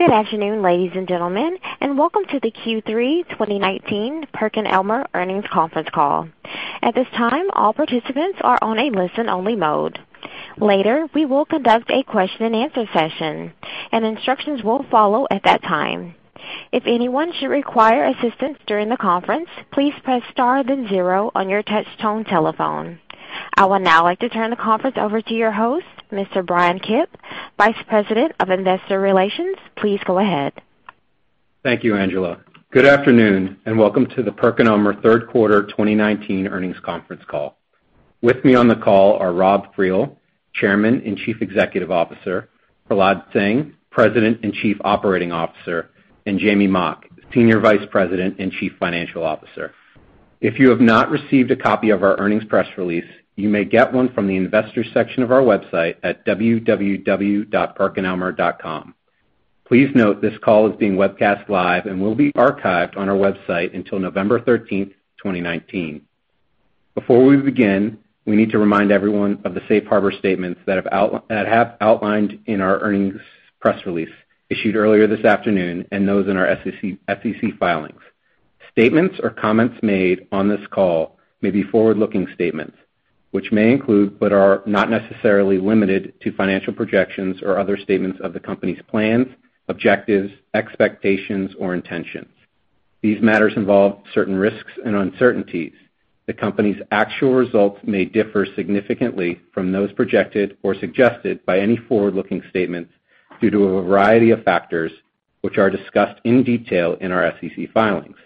Good afternoon, ladies and gentlemen, and welcome to the Q3 2019 PerkinElmer Earnings Conference Call. At this time, all participants are on a listen-only mode. Later, we will conduct a question and answer session, and instructions will follow at that time. If anyone should require assistance during the conference, please press star then zero on your touchtone telephone. I would now like to turn the conference over to your host, Mr. Bryan Kipp, Vice President of Investor Relations. Please go ahead. Thank you, Angela. Good afternoon, and welcome to the PerkinElmer Third Quarter 2019 Earnings Conference Call. With me on the call are Rob Friel, Chairman and Chief Executive Officer, Prahlad Singh, President and Chief Operating Officer, and Jamey Mock, Senior Vice President and Chief Financial Officer. You have not received a copy of our earnings press release, you may get one from the investors section of our website at www.perkinelmer.com. Please note this call is being webcast live and will be archived on our website until November 13, 2019. Before we begin, we need to remind everyone of the safe harbor statements that have outlined in our earnings press release issued earlier this afternoon and those in our SEC filings. Statements or comments made on this call may be forward-looking statements, which may include, but are not necessarily limited to financial projections or other statements of the company's plans, objectives, expectations, or intentions. These matters involve certain risks and uncertainties. The company's actual results may differ significantly from those projected or suggested by any forward-looking statements due to a variety of factors, which are discussed in detail in our SEC filings.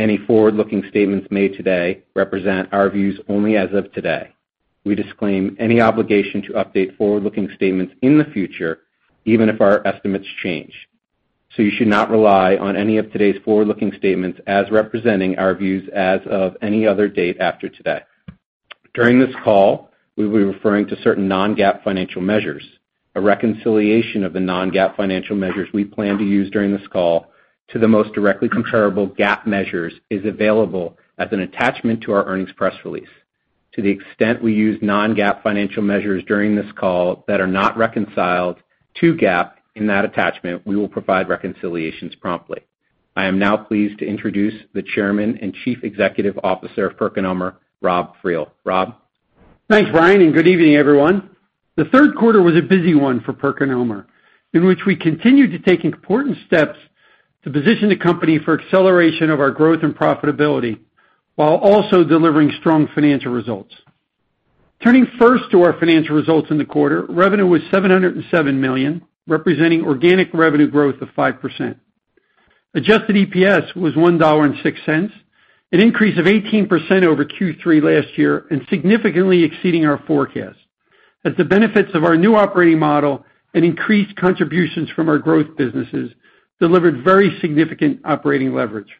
Any forward-looking statements made today represent our views only as of today. We disclaim any obligation to update forward-looking statements in the future, even if our estimates change. You should not rely on any of today's forward-looking statements as representing our views as of any other date after today. During this call, we will be referring to certain non-GAAP financial measures. A reconciliation of the non-GAAP financial measures we plan to use during this call to the most directly comparable GAAP measures is available as an attachment to our earnings press release. To the extent we use non-GAAP financial measures during this call that are not reconciled to GAAP in that attachment, we will provide reconciliations promptly. I am now pleased to introduce the Chairman and Chief Executive Officer of PerkinElmer, Rob Friel. Rob? Thanks, Bryan, and good evening, everyone. The third quarter was a busy one for PerkinElmer, in which we continued to take important steps to position the company for acceleration of our growth and profitability while also delivering strong financial results. Turning first to our financial results in the quarter, revenue was $707 million, representing organic revenue growth of 5%. Adjusted EPS was $1.06, an increase of 18% over Q3 last year and significantly exceeding our forecast, as the benefits of our new operating model and increased contributions from our growth businesses delivered very significant operating leverage.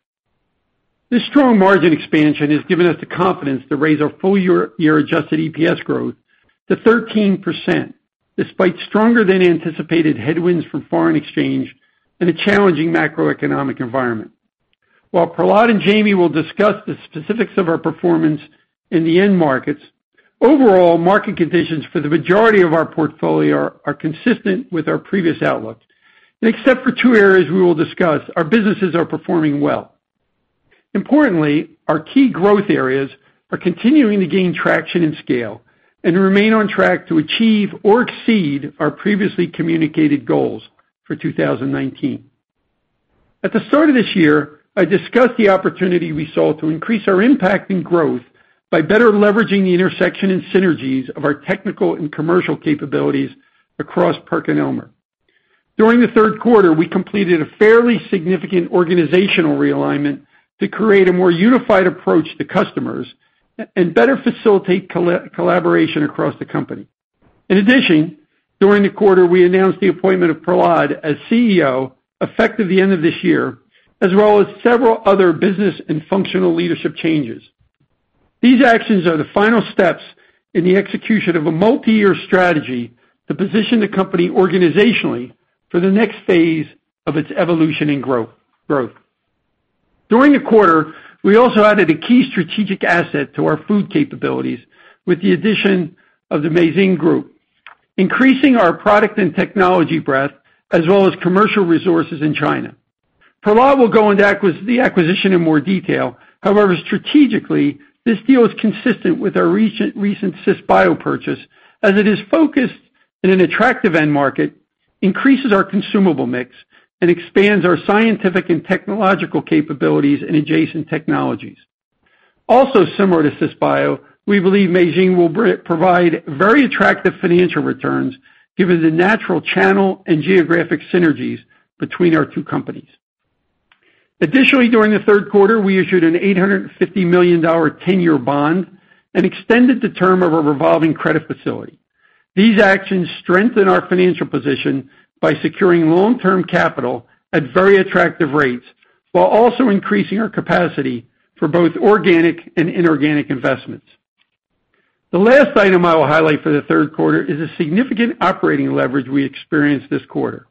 This strong margin expansion has given us the confidence to raise our full year adjusted EPS growth to 13%, despite stronger than anticipated headwinds from foreign exchange and a challenging macroeconomic environment. While Prahlad and Jamey will discuss the specifics of our performance in the end markets, overall market conditions for the majority of our portfolio are consistent with our previous outlook. Except for two areas we will discuss, our businesses are performing well. Importantly, our key growth areas are continuing to gain traction and scale and remain on track to achieve or exceed our previously communicated goals for 2019. At the start of this year, I discussed the opportunity we saw to increase our impact and growth by better leveraging the intersection and synergies of our technical and commercial capabilities across PerkinElmer. During the third quarter, we completed a fairly significant organizational realignment to create a more unified approach to customers and better facilitate collaboration across the company. In addition, during the quarter, we announced the appointment of Prahlad as CEO, effective the end of this year, as well as several other business and functional leadership changes. These actions are the final steps in the execution of a multi-year strategy to position the company organizationally for the next phase of its evolution and growth. During the quarter, we also added a key strategic asset to our food capabilities with the addition of the Meizheng Group, increasing our product and technology breadth as well as commercial resources in China. Prahlad will go into the acquisition in more detail. Strategically, this deal is consistent with our recent Cisbio purchase as it is focused in an attractive end market, increases our consumable mix, and expands our scientific and technological capabilities in adjacent technologies. Also similar to Cisbio, we believe Meizheng will provide very attractive financial returns given the natural channel and geographic synergies between our two companies. During the third quarter, we issued an $850 million 10-year bond and extended the term of a revolving credit facility. These actions strengthen our financial position by securing long-term capital at very attractive rates while also increasing our capacity for both organic and inorganic investments. The last item I will highlight for the third quarter is the significant operating leverage we experienced this quarter.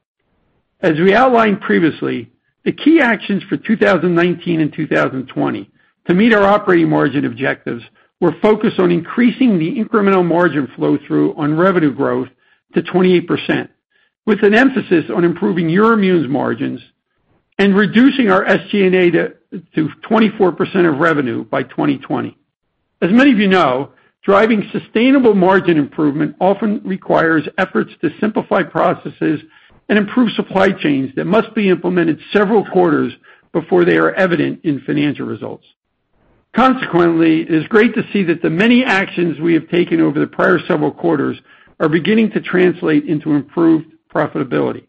As we outlined previously, the key actions for 2019 and 2020 to meet our operating margin objectives, we're focused on increasing the incremental margin flow-through on revenue growth to 28%, with an emphasis on improving EUROIMMUN's margins and reducing our SG&A to 24% of revenue by 2020. As many of you know, driving sustainable margin improvement often requires efforts to simplify processes and improve supply chains that must be implemented several quarters before they are evident in financial results. Consequently, it is great to see that the many actions we have taken over the prior several quarters are beginning to translate into improved profitability.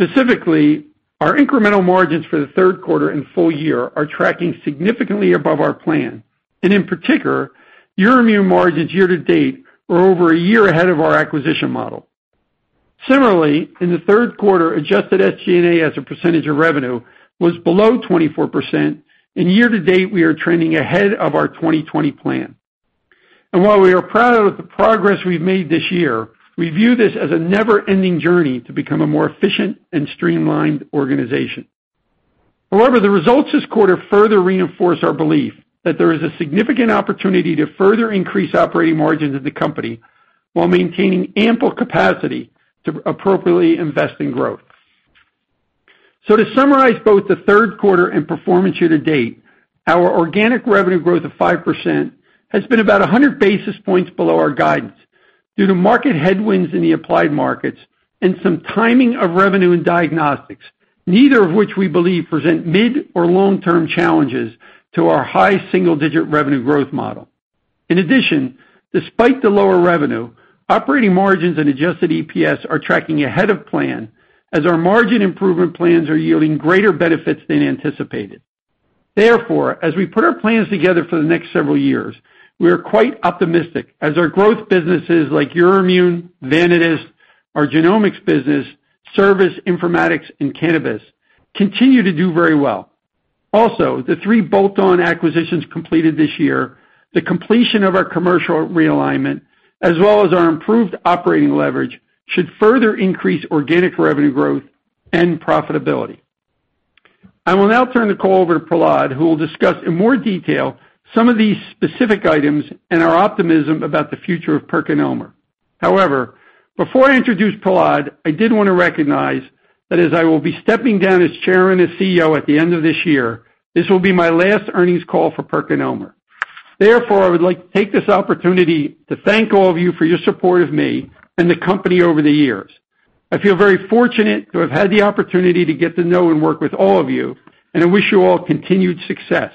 Specifically, our incremental margins for the third quarter and full year are tracking significantly above our plan, and in particular, EUROIMMUN margins year to date are over a year ahead of our acquisition model. Similarly, in the third quarter, adjusted SG&A as a percentage of revenue was below 24%, and year to date, we are trending ahead of our 2020 plan. While we are proud of the progress we've made this year, we view this as a never-ending journey to become a more efficient and streamlined organization. However, the results this quarter further reinforce our belief that there is a significant opportunity to further increase operating margins of the company while maintaining ample capacity to appropriately invest in growth. To summarize both the third quarter and performance year to date, our organic revenue growth of 5% has been about 100 basis points below our guidance due to market headwinds in the applied markets and some timing of revenue in diagnostics, neither of which we believe present mid or long-term challenges to our high single-digit revenue growth model. In addition, despite the lower revenue, operating margins and adjusted EPS are tracking ahead of plan as our margin improvement plans are yielding greater benefits than anticipated. As we put our plans together for the next several years, we are quite optimistic as our growth businesses like EUROIMMUN, Vanadis, our genomics business, service informatics, and cannabis continue to do very well. The three bolt-on acquisitions completed this year, the completion of our commercial realignment, as well as our improved operating leverage, should further increase organic revenue growth and profitability. I will now turn the call over to Prahlad, who will discuss in more detail some of these specific items and our optimism about the future of PerkinElmer. Before I introduce Prahlad, I did want to recognize that as I will be stepping down as chair and as CEO at the end of this year, this will be my last earnings call for PerkinElmer. Therefore, I would like to take this opportunity to thank all of you for your support of me and the company over the years. I feel very fortunate to have had the opportunity to get to know and work with all of you, and I wish you all continued success.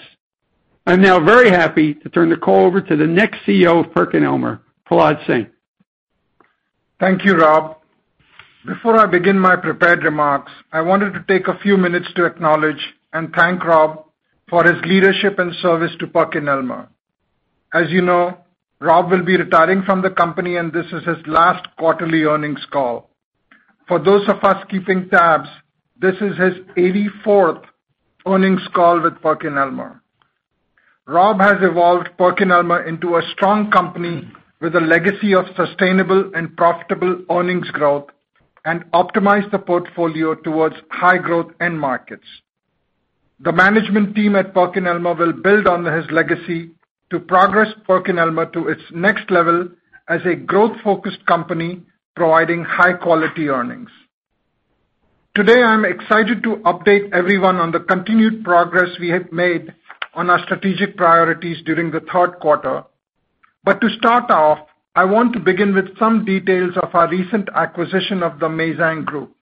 I am now very happy to turn the call over to the next CEO of PerkinElmer, Prahlad Singh. Thank you, Rob. Before I begin my prepared remarks, I wanted to take a few minutes to acknowledge and thank Rob for his leadership and service to PerkinElmer. As you know, Rob will be retiring from the company, and this is his last quarterly earnings call. For those of us keeping tabs, this is his 84th earnings call with PerkinElmer. Rob has evolved PerkinElmer into a strong company with a legacy of sustainable and profitable earnings growth and optimized the portfolio towards high-growth end markets. The management team at PerkinElmer will build on his legacy to progress PerkinElmer to its next level as a growth-focused company providing high-quality earnings. Today, I'm excited to update everyone on the continued progress we have made on our strategic priorities during the third quarter. To start off, I want to begin with some details of our recent acquisition of the Meizheng Group.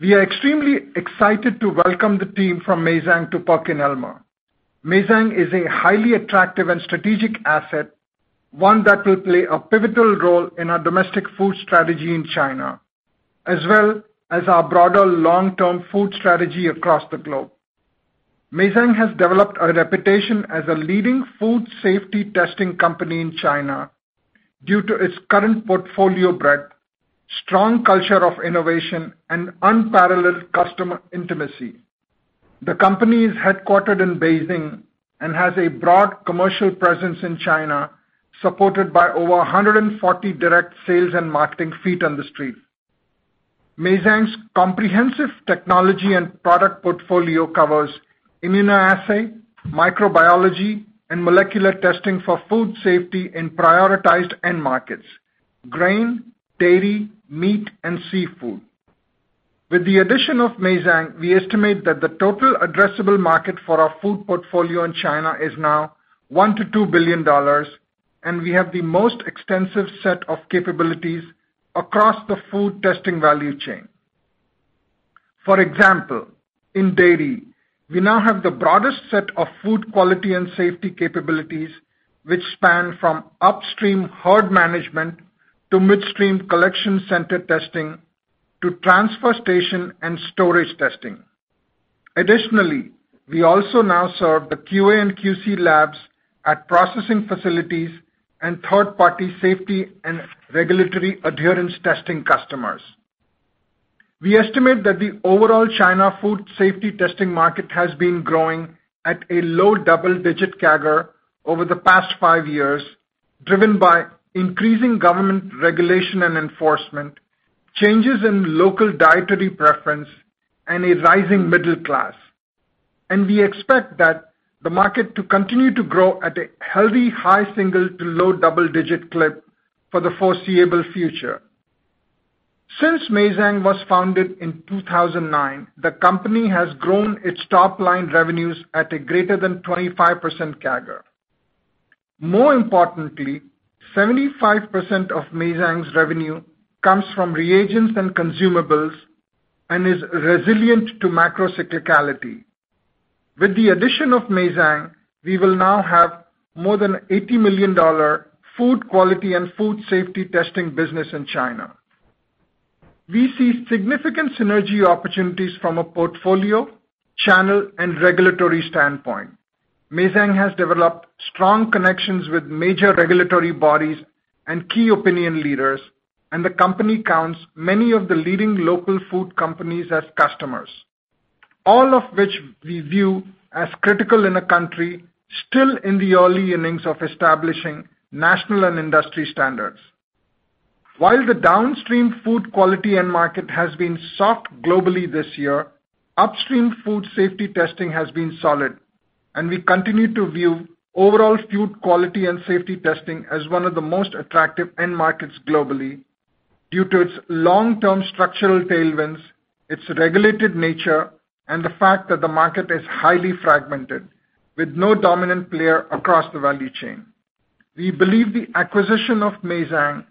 We are extremely excited to welcome the team from Meizheng to PerkinElmer. Meizheng is a highly attractive and strategic asset, one that will play a pivotal role in our domestic food strategy in China, as well as our broader long-term food strategy across the globe. Meizheng has developed a reputation as a leading food safety testing company in China due to its current portfolio breadth, strong culture of innovation, and unparalleled customer intimacy. The company is headquartered in Beijing and has a broad commercial presence in China, supported by over 140 direct sales and marketing feet on the street. Meizheng's comprehensive technology and product portfolio covers immunoassay, microbiology, and molecular testing for food safety in prioritized end markets: grain, dairy, meat, and seafood. With the addition of Meizheng, we estimate that the total addressable market for our food portfolio in China is now $1 billion-$2 billion, we have the most extensive set of capabilities across the food testing value chain. For example, in dairy, we now have the broadest set of food quality and safety capabilities, which span from upstream herd management to midstream collection center testing to transfer station and storage testing. Additionally, we also now serve the QA and QC labs at processing facilities and third-party safety and regulatory adherence testing customers. We estimate that the overall China food safety testing market has been growing at a low double-digit CAGR over the past five years, driven by increasing government regulation and enforcement, changes in local dietary preference, and a rising middle class. We expect that the market to continue to grow at a healthy high single to low double-digit clip for the foreseeable future. Since Meizheng was founded in 2009, the company has grown its top-line revenues at a greater than 25% CAGR. More importantly, 75% of Meizheng's revenue comes from reagents and consumables and is resilient to macro cyclicality. With the addition of Meizheng, we will now have more than $80 million food quality and food safety testing business in China. We see significant synergy opportunities from a portfolio, channel, and regulatory standpoint. Meizheng has developed strong connections with major regulatory bodies and key opinion leaders, and the company counts many of the leading local food companies as customers, all of which we view as critical in a country still in the early innings of establishing national and industry standards. While the downstream food quality end market has been soft globally this year, upstream food safety testing has been solid, and we continue to view overall food quality and safety testing as one of the most attractive end markets globally due to its long-term structural tailwinds, its regulated nature, and the fact that the market is highly fragmented, with no dominant player across the value chain. We believe the acquisition of Meizheng,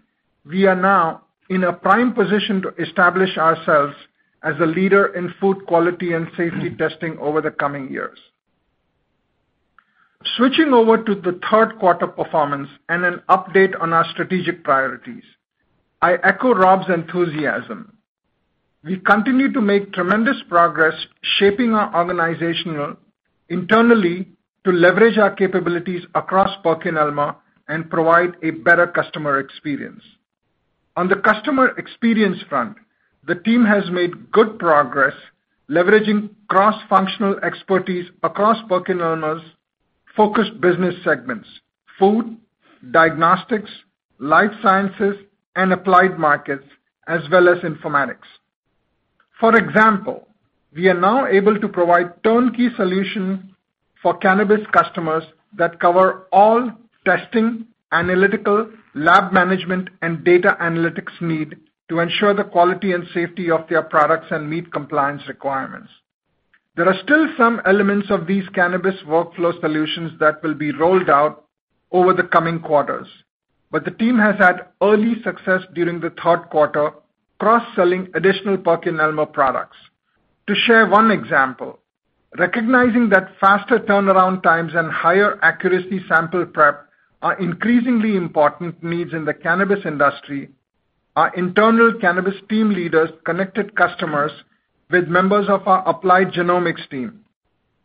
we are now in a prime position to establish ourselves as a leader in food quality and safety testing over the coming years. Switching over to the third quarter performance and an update on our strategic priorities. I echo Rob's enthusiasm. We continue to make tremendous progress shaping our organization internally to leverage our capabilities across PerkinElmer and provide a better customer experience. On the customer experience front, the team has made good progress leveraging cross-functional expertise across PerkinElmer's focused business segments: food, diagnostics, life sciences, and applied markets, as well as informatics. For example, we are now able to provide turnkey solution for cannabis customers that cover all testing, analytical, lab management, and data analytics need to ensure the quality and safety of their products and meet compliance requirements. There are still some elements of these cannabis workflow solutions that will be rolled out over the coming quarters, but the team has had early success during the third quarter cross-selling additional PerkinElmer products. To share one example, recognizing that faster turnaround times and higher accuracy sample prep are increasingly important needs in the cannabis industry, our internal cannabis team leaders connected customers with members of our applied genomics team,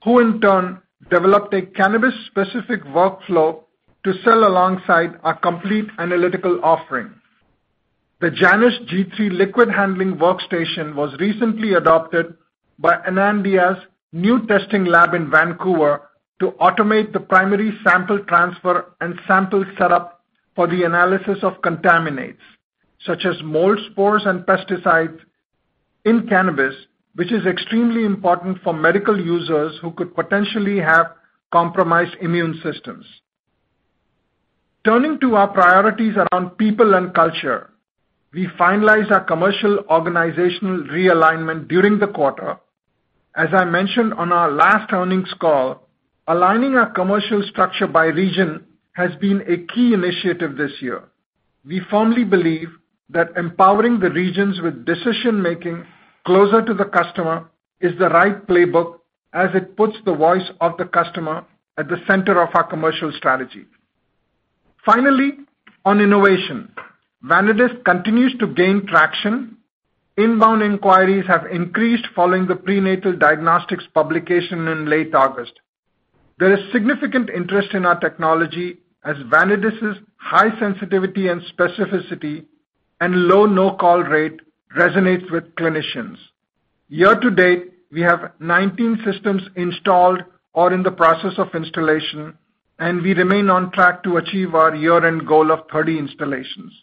who in turn developed a cannabis-specific workflow to sell alongside our complete analytical offering. The JANUS G3 liquid handling workstation was recently adopted by Anandia's new testing lab in Vancouver to automate the primary sample transfer and sample setup for the analysis of contaminants, such as mold spores and pesticides in cannabis, which is extremely important for medical users who could potentially have compromised immune systems. Turning to our priorities around people and culture. We finalized our commercial organizational realignment during the quarter. As I mentioned on our last earnings call, aligning our commercial structure by region has been a key initiative this year. We firmly believe that empowering the regions with decision-making closer to the customer is the right playbook, as it puts the voice of the customer at the center of our commercial strategy. Finally, on innovation. Vanadis continues to gain traction. Inbound inquiries have increased following the prenatal diagnostics publication in late August. There is significant interest in our technology as Vanadis' high sensitivity and specificity and low no-call rate resonates with clinicians. Year to date, we have 19 systems installed or in the process of installation, and we remain on track to achieve our year-end goal of 30 installations.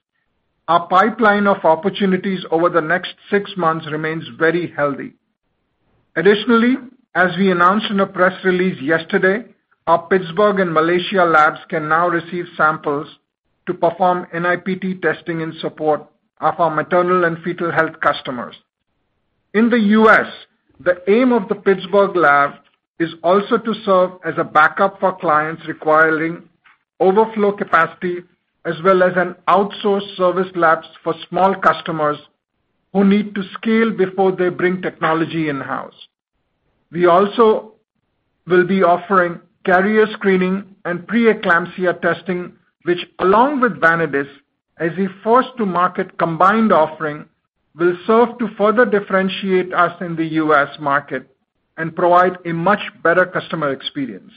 Our pipeline of opportunities over the next six months remains very healthy. Additionally, as we announced in a press release yesterday, our Pittsburgh and Malaysia labs can now receive samples to perform NIPT testing in support of our maternal and fetal health customers. In the U.S., the aim of the Pittsburgh lab is also to serve as a backup for clients requiring overflow capacity, as well as an outsourced service labs for small customers who need to scale before they bring technology in-house. We also will be offering carrier screening and pre-eclampsia testing, which along with Vanadis, as a first-to-market combined offering, will serve to further differentiate us in the U.S. market and provide a much better customer experience.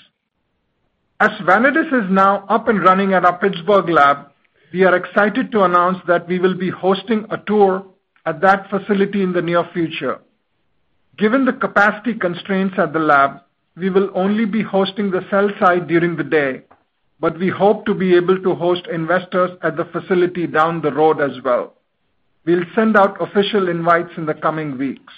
As Vanadis is now up and running at our Pittsburgh lab, we are excited to announce that we will be hosting a tour at that facility in the near future. Given the capacity constraints at the lab, we will only be hosting the sell side during the day, but we hope to be able to host investors at the facility down the road as well. We'll send out official invites in the coming weeks.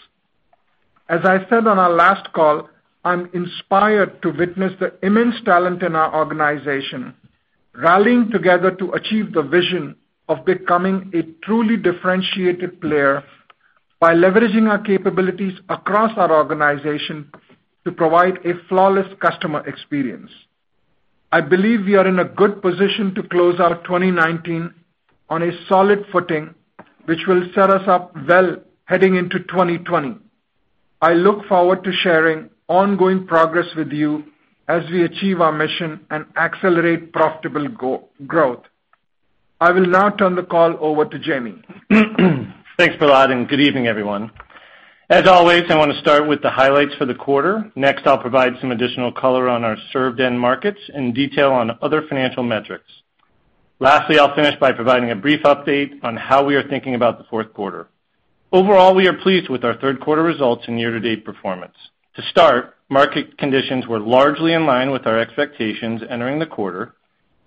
As I said on our last call, I'm inspired to witness the immense talent in our organization, rallying together to achieve the vision of becoming a truly differentiated player by leveraging our capabilities across our organization to provide a flawless customer experience. I believe we are in a good position to close out 2019 on a solid footing, which will set us up well heading into 2020. I look forward to sharing ongoing progress with you as we achieve our mission and accelerate profitable growth. I will now turn the call over to Jamey. Thanks, Prahlad, good evening, everyone. As always, I want to start with the highlights for the quarter. Next, I'll provide some additional color on our served end markets and detail on other financial metrics. Lastly, I'll finish by providing a brief update on how we are thinking about the fourth quarter. Overall, we are pleased with our third quarter results and year-to-date performance. To start, market conditions were largely in line with our expectations entering the quarter,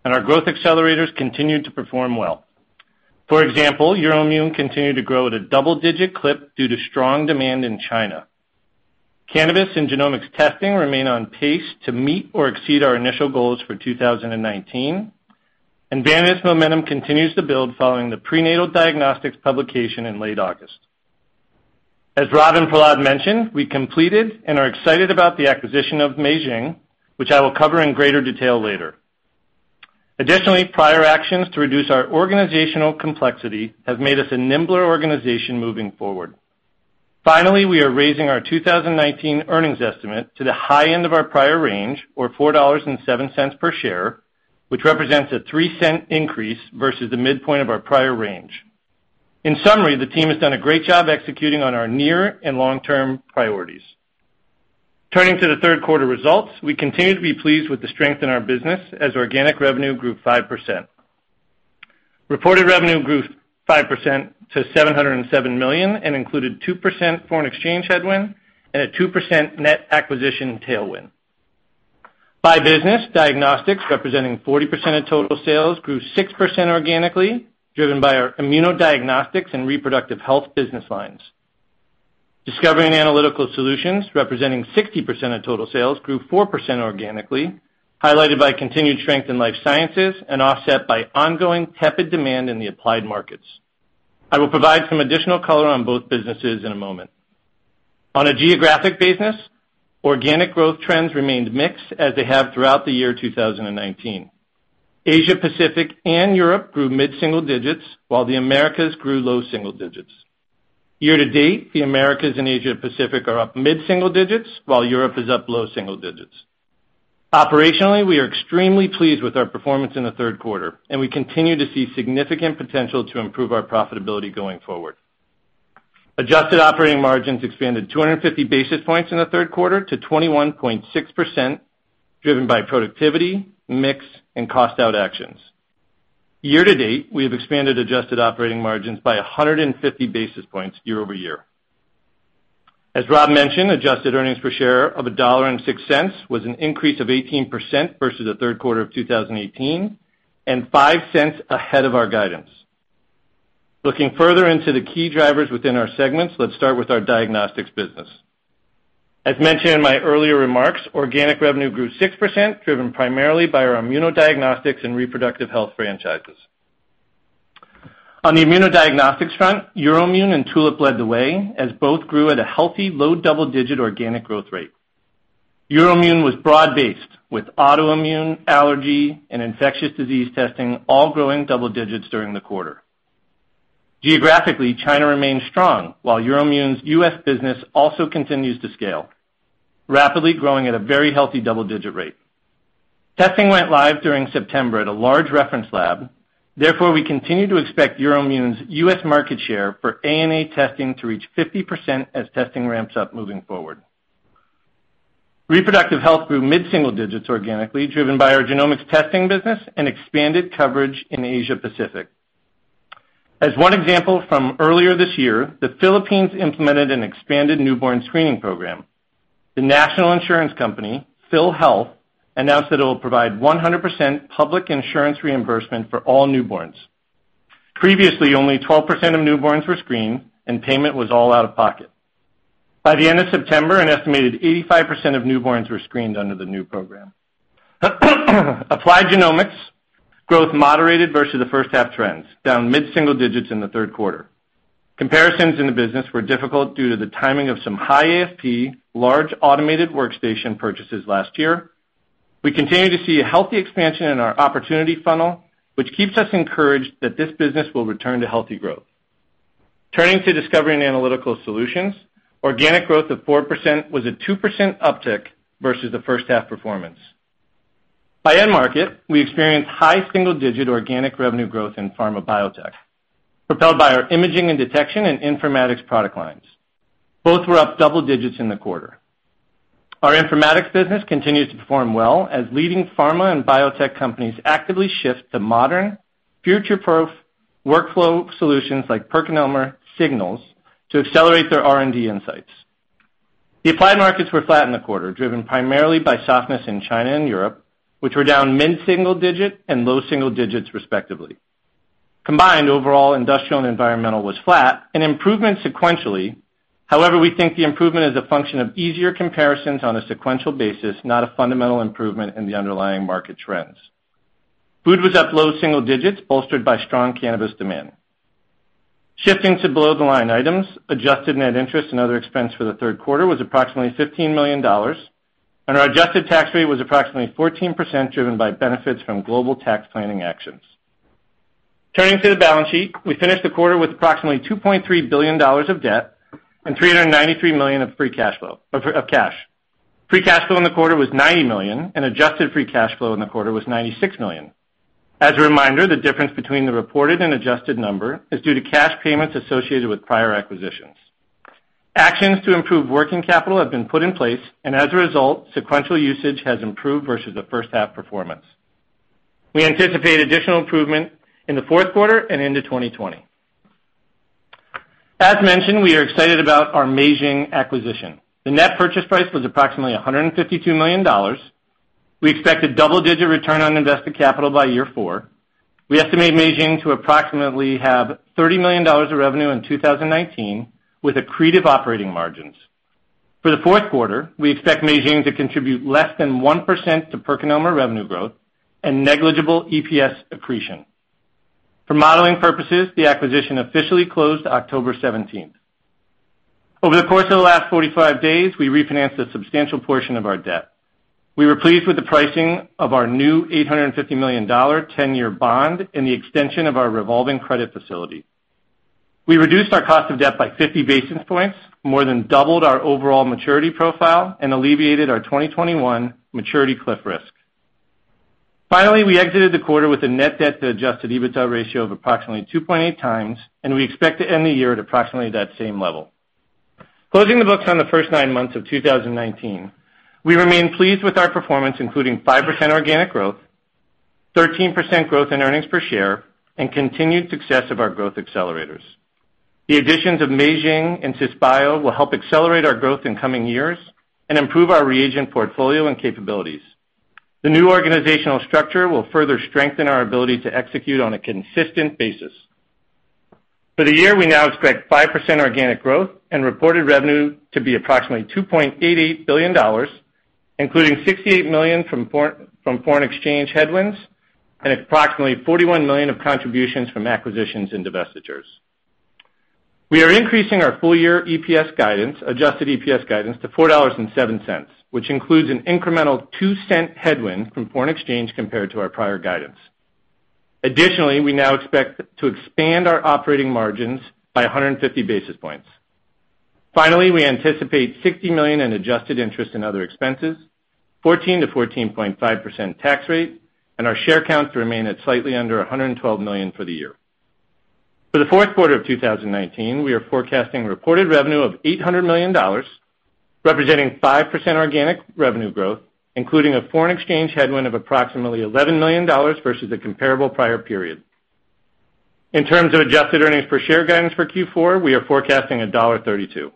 and our growth accelerators continued to perform well. For example, EUROIMMUN continued to grow at a double-digit clip due to strong demand in China. Cannabis and genomics testing remain on pace to meet or exceed our initial goals for 2019. Vanadis momentum continues to build following the prenatal diagnostics publication in late August. As Rob and Prahlad mentioned, we completed and are excited about the acquisition of Meizheng, which I will cover in greater detail later. Prior actions to reduce our organizational complexity have made us a nimbler organization moving forward. We are raising our 2019 earnings estimate to the high end of our prior range, or $4.07 per share, which represents a $0.03 increase versus the midpoint of our prior range. The team has done a great job executing on our near and long-term priorities. We continue to be pleased with the strength in our business as organic revenue grew 5%. Reported revenue grew 5% to $707 million and included 2% foreign exchange headwind, and a 2% net acquisition tailwind. By business, diagnostics, representing 40% of total sales, grew 6% organically, driven by our immunodiagnostics and reproductive health business lines. Discovery and Analytical Solutions, representing 60% of total sales, grew 4% organically, highlighted by continued strength in life sciences and offset by ongoing tepid demand in the applied markets. I will provide some additional color on both businesses in a moment. On a geographic basis, organic growth trends remained mixed as they have throughout the year 2019. Asia Pacific and Europe grew mid-single digits, while the Americas grew low single digits. Year to date, the Americas and Asia Pacific are up mid-single digits, while Europe is up low single digits. Operationally, we are extremely pleased with our performance in the third quarter, and we continue to see significant potential to improve our profitability going forward. Adjusted operating margins expanded 250 basis points in the third quarter to 21.6%, driven by productivity, mix, and cost-out actions. Year to date, we have expanded adjusted operating margins by 150 basis points year-over-year. As Rob mentioned, adjusted earnings per share of $1.06 was an increase of 18% versus the third quarter of 2018, and $0.05 ahead of our guidance. Looking further into the key drivers within our segments, let's start with our diagnostics business. As mentioned in my earlier remarks, organic revenue grew 6%, driven primarily by our immunodiagnostics and reproductive health franchises. On the immunodiagnostics front, EUROIMMUN and Tulip led the way, as both grew at a healthy low double-digit organic growth rate. EUROIMMUN was broad-based, with autoimmune, allergy, and infectious disease testing all growing double-digits during the quarter. Geographically, China remains strong, while EUROIMMUN's U.S. business also continues to scale, rapidly growing at a very healthy double-digit rate. Testing went live during September at a large reference lab. Therefore, we continue to expect EUROIMMUN's U.S. market share for ANA testing to reach 50% as testing ramps up moving forward. Reproductive health grew mid-single digits organically, driven by our genomics testing business and expanded coverage in Asia Pacific. As one example from earlier this year, the Philippines implemented an expanded newborn screening program. The national insurance company, PhilHealth, announced that it will provide 100% public insurance reimbursement for all newborns. Previously, only 12% of newborns were screened, and payment was all out of pocket. By the end of September, an estimated 85% of newborns were screened under the new program. Applied genomics growth moderated versus the first half trends, down mid-single digits in the third quarter. Comparisons in the business were difficult due to the timing of some high AFP large automated workstation purchases last year. We continue to see a healthy expansion in our opportunity funnel, which keeps us encouraged that this business will return to healthy growth. Turning to discovery and analytical solutions, organic growth of 4% was a 2% uptick versus the first half performance. By end market, we experienced high single-digit organic revenue growth in pharma biotech, propelled by our imaging and detection and informatics product lines. Both were up double digits in the quarter. Our informatics business continues to perform well as leading pharma and biotech companies actively shift to modern, future-proof workflow solutions like PerkinElmer Signals to accelerate their R&D insights. The applied markets were flat in the quarter, driven primarily by softness in China and Europe, which were down mid-single digit and low single digits respectively. Combined overall, industrial and environmental was flat, an improvement sequentially. However, we think the improvement is a function of easier comparisons on a sequential basis, not a fundamental improvement in the underlying market trends. Food was up low single digits, bolstered by strong cannabis demand. Shifting to below-the-line items, adjusted net interest and other expense for the third quarter was approximately $15 million, and our adjusted tax rate was approximately 14%, driven by benefits from global tax planning actions. Turning to the balance sheet. We finished the quarter with approximately $2.3 billion of debt and $393 million of cash. Free cash flow in the quarter was $90 million, and adjusted free cash flow in the quarter was $96 million. As a reminder, the difference between the reported and adjusted number is due to cash payments associated with prior acquisitions. Actions to improve working capital have been put in place. As a result, sequential usage has improved versus the first half performance. We anticipate additional improvement in the fourth quarter and into 2020. As mentioned, we are excited about our Meizheng acquisition. The net purchase price was approximately $152 million. We expect a double-digit return on invested capital by year four. We estimate Meizheng to approximately have $30 million of revenue in 2019, with accretive operating margins. For the fourth quarter, we expect Meizheng to contribute less than 1% to PerkinElmer revenue growth and negligible EPS accretion. For modeling purposes, the acquisition officially closed October 17th. Over the course of the last 45 days, we refinanced a substantial portion of our debt. We were pleased with the pricing of our new $850 million 10-year bond and the extension of our revolving credit facility. We reduced our cost of debt by 50 basis points, more than doubled our overall maturity profile, and alleviated our 2021 maturity cliff risk. Finally, we exited the quarter with a net debt to adjusted EBITDA ratio of approximately 2.8 times, and we expect to end the year at approximately that same level. Closing the books on the first nine months of 2019, we remain pleased with our performance, including 5% organic growth, 13% growth in earnings per share, and continued success of our growth accelerators. The additions of Meizheng and Cisbio will help accelerate our growth in coming years and improve our reagent portfolio and capabilities. The new organizational structure will further strengthen our ability to execute on a consistent basis. For the year, we now expect 5% organic growth and reported revenue to be approximately $2.88 billion, including $68 million from foreign exchange headwinds and approximately $41 million of contributions from acquisitions and divestitures. We are increasing our full-year adjusted EPS guidance to $4.07, which includes an incremental $0.02 headwind from foreign exchange compared to our prior guidance. Additionally, we now expect to expand our operating margins by 150 basis points. Finally, we anticipate $60 million in adjusted interest in other expenses, 14%-14.5% tax rate, and our share count to remain at slightly under 112 million for the year. For the fourth quarter of 2019, we are forecasting reported revenue of $800 million, representing 5% organic revenue growth, including a foreign exchange headwind of approximately $11 million versus the comparable prior period. In terms of adjusted earnings per share guidance for Q4, we are forecasting $1.32.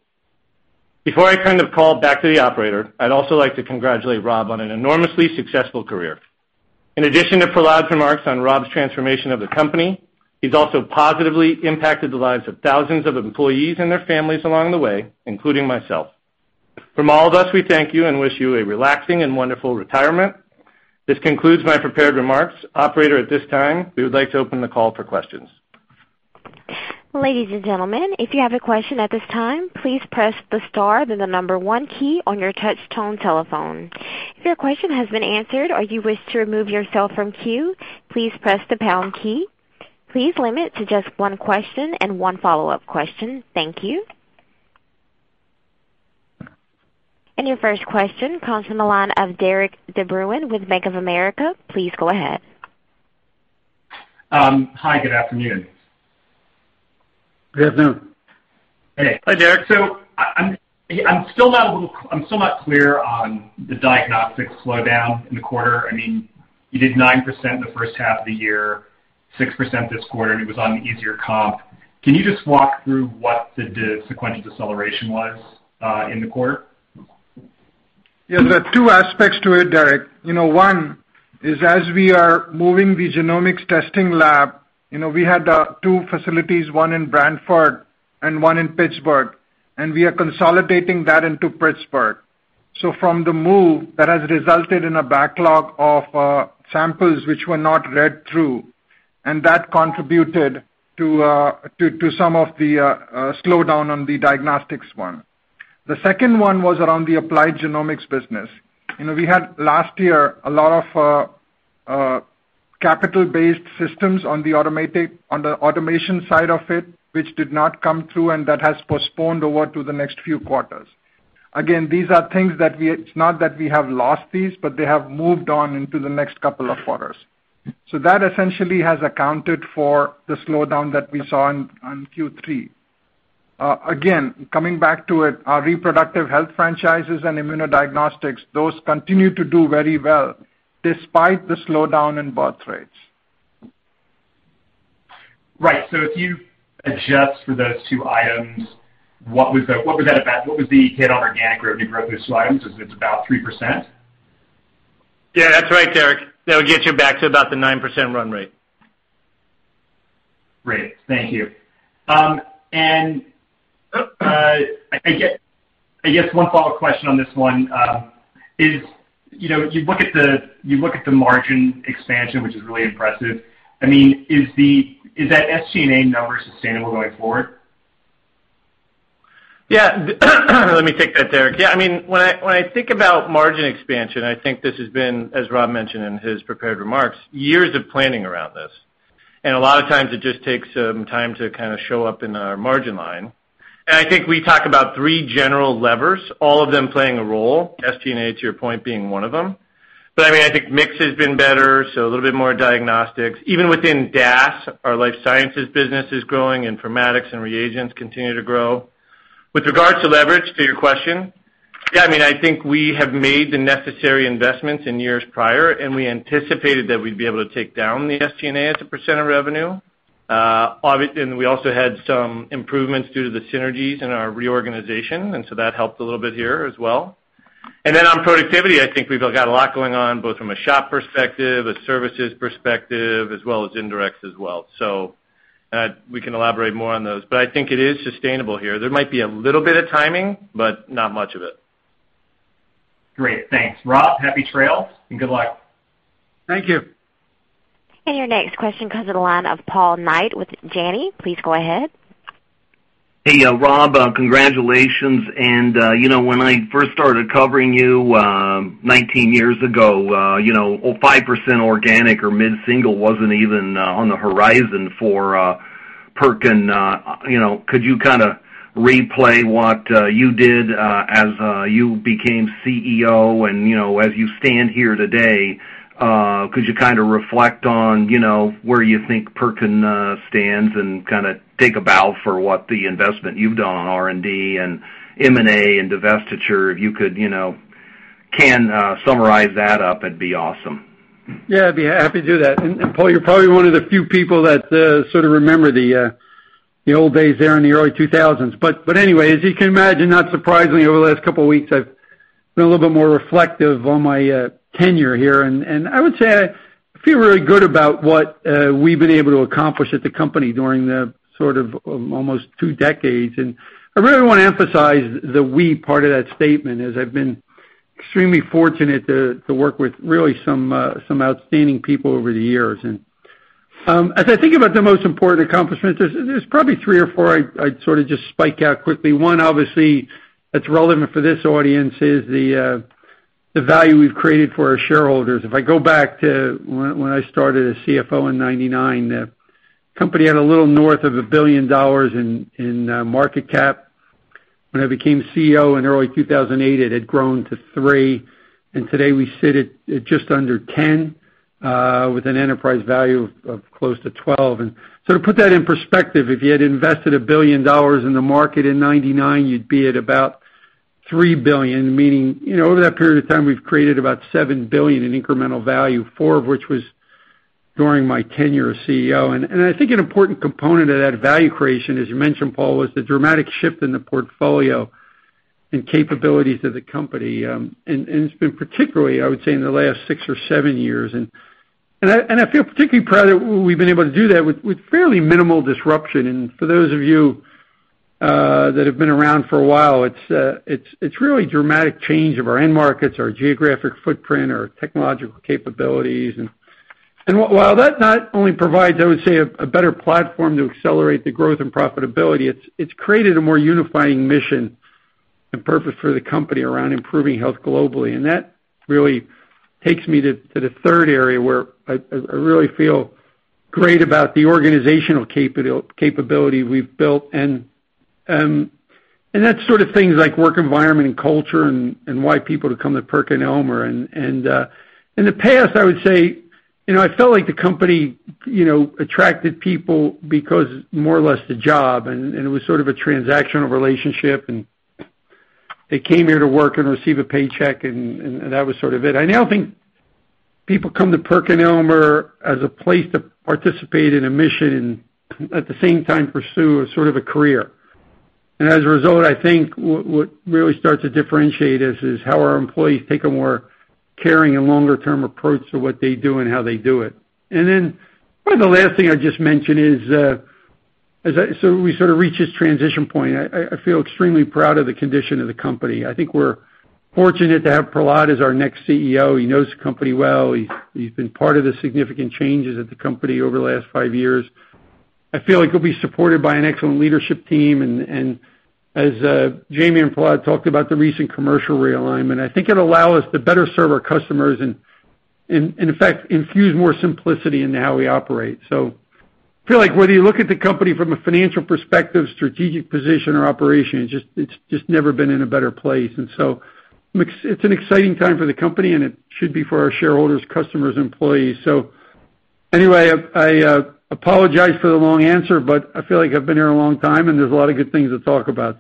Before I turn the call back to the Operator, I'd also like to congratulate Rob on an enormously successful career. In addition to Prahlad's remarks on Rob's transformation of the company, he's also positively impacted the lives of thousands of employees and their families along the way, including myself. From all of us, we thank you and wish you a relaxing and wonderful retirement. This concludes my prepared remarks. Operator, at this time, we would like to open the call for questions. Ladies and gentlemen, if you have a question at this time, please press the star, then the number 1 key on your touch tone telephone. If your question has been answered or you wish to remove yourself from queue, please press the pound key. Please limit to just one question and one follow-up question. Thank you. Your first question comes from the line of Derik De Bruin with Bank of America. Please go ahead. Hi, good afternoon. Good afternoon. Hey. Hi, Derik. I'm still not clear on the diagnostics slowdown in the quarter. You did 9% the first half of the year, 6% this quarter, and it was on the easier comp. Can you just walk through what the sequential deceleration was in the quarter? Yeah. There are two aspects to it, Derik. One is as we are moving the genomics testing lab, we had two facilities, one in Branford and one in Pittsburgh, and we are consolidating that into Pittsburgh. From the move, that has resulted in a backlog of samples which were not read through, and that contributed to some of the slowdown on the diagnostics one. The second one was around the applied genomics business. We had last year a lot of capital-based systems on the automation side of it, which did not come through, and that has postponed over to the next few quarters. These are things that it's not that we have lost these, but they have moved on into the next couple of quarters. That essentially has accounted for the slowdown that we saw in Q3. Again, coming back to it, our reproductive health franchises and immunodiagnostics, those continue to do very well despite the slowdown in birthrates. Right. If you adjust for those two items, what was the hit on organic revenue growth of those two items? Is it about 3%? Yeah, that's right, Derek. That would get you back to about the 9% run rate. Great. Thank you. I guess one follow-up question on this one is, you look at the margin expansion, which is really impressive. Is that SG&A number sustainable going forward? Let me take that, Derik. When I think about margin expansion, I think this has been, as Rob mentioned in his prepared remarks, years of planning around this. A lot of times it just takes some time to kind of show up in our margin line. I think we talk about three general levers, all of them playing a role, SG&A, to your point, being one of them. I think mix has been better, so a little bit more diagnostics. Even within DAS, our life sciences business is growing, informatics and reagents continue to grow. With regards to leverage, to your question, I think we have made the necessary investments in years prior, and we anticipated that we'd be able to take down the SG&A as a percent of revenue. We also had some improvements due to the synergies in our reorganization, and so that helped a little bit here as well. On productivity, I think we've got a lot going on, both from a shop perspective, a services perspective, as well as indirects as well. We can elaborate more on those. I think it is sustainable here. There might be a little bit of timing, but not much of it. Great. Thanks. Rob, happy trails, and good luck. Thank you. Your next question comes to the line of Paul Knight with Janney. Please go ahead. Hey, Rob, congratulations. When I first started covering you 19 years ago, 5% organic or mid-single wasn't even on the horizon for Perkin. Could you kind of replay what you did as you became CEO and, as you stand here today, could you kind of reflect on where you think Perkin stands and kind of take a bow for what the investment you've done on R&D and M&A and divestiture? If you can summarize that up, it'd be awesome. Yeah, I'd be happy to do that. Paul, you're probably one of the few people that sort of remember the old days there in the early 2000s. Anyway, as you can imagine, not surprisingly, over the last couple of weeks, I've been a little bit more reflective on my tenure here. I would say I feel really good about what we've been able to accomplish at the company during the sort of almost two decades. I really want to emphasize the we part of that statement, as I've been extremely fortunate to work with really some outstanding people over the years. As I think about the most important accomplishments, there's probably three or four I'd sort of just spike out quickly. One, obviously, that's relevant for this audience is the value we've created for our shareholders. I go back to when I started as CFO in 1999, the company had a little north of $1 billion in market cap. When I became CEO in early 2008, it had grown to $3 billion, today we sit at just under $10 billion, with an enterprise value of close to $12 billion. To put that in perspective, if you had invested $1 billion in the market in 1999, you'd be at about $3 billion, meaning, over that period of time, we've created about $7 billion in incremental value, $4 billion of which was during my tenure as CEO. I think an important component of that value creation, as you mentioned, Paul, was the dramatic shift in the portfolio and capabilities of the company, it's been particularly, I would say, in the last six or seven years. I feel particularly proud that we've been able to do that with fairly minimal disruption. For those of you that have been around for a while, it's really dramatic change of our end markets, our geographic footprint, our technological capabilities. While that not only provides, I would say, a better platform to accelerate the growth and profitability, it's created a more unifying mission and purpose for the company around improving health globally. That really takes me to the third area, where I really feel great about the organizational capability we've built, and that's sort of things like work environment and culture and why people to come to PerkinElmer. In the past, I would say, I felt like the company attracted people because more or less the job, it was sort of a transactional relationship, and they came here to work and receive a paycheck, and that was sort of it. I now think people come to PerkinElmer as a place to participate in a mission and, at the same time, pursue a sort of a career. As a result, I think what really starts to differentiate us is how our employees take a more caring and longer-term approach to what they do and how they do it. Probably the last thing I'd just mention is, as we sort of reach this transition point, I feel extremely proud of the condition of the company. I think we're fortunate to have Prahlad as our next CEO. He knows the company well. He's been part of the significant changes at the company over the last five years. I feel like he'll be supported by an excellent leadership team, and as Jamey and Prahlad talked about the recent commercial realignment, I think it'll allow us to better serve our customers and, in effect, infuse more simplicity into how we operate. I feel like whether you look at the company from a financial perspective, strategic position, or operation, it's just never been in a better place. It's an exciting time for the company, and it should be for our shareholders, customers, and employees. Anyway, I apologize for the long answer, but I feel like I've been here a long time, and there's a lot of good things to talk about.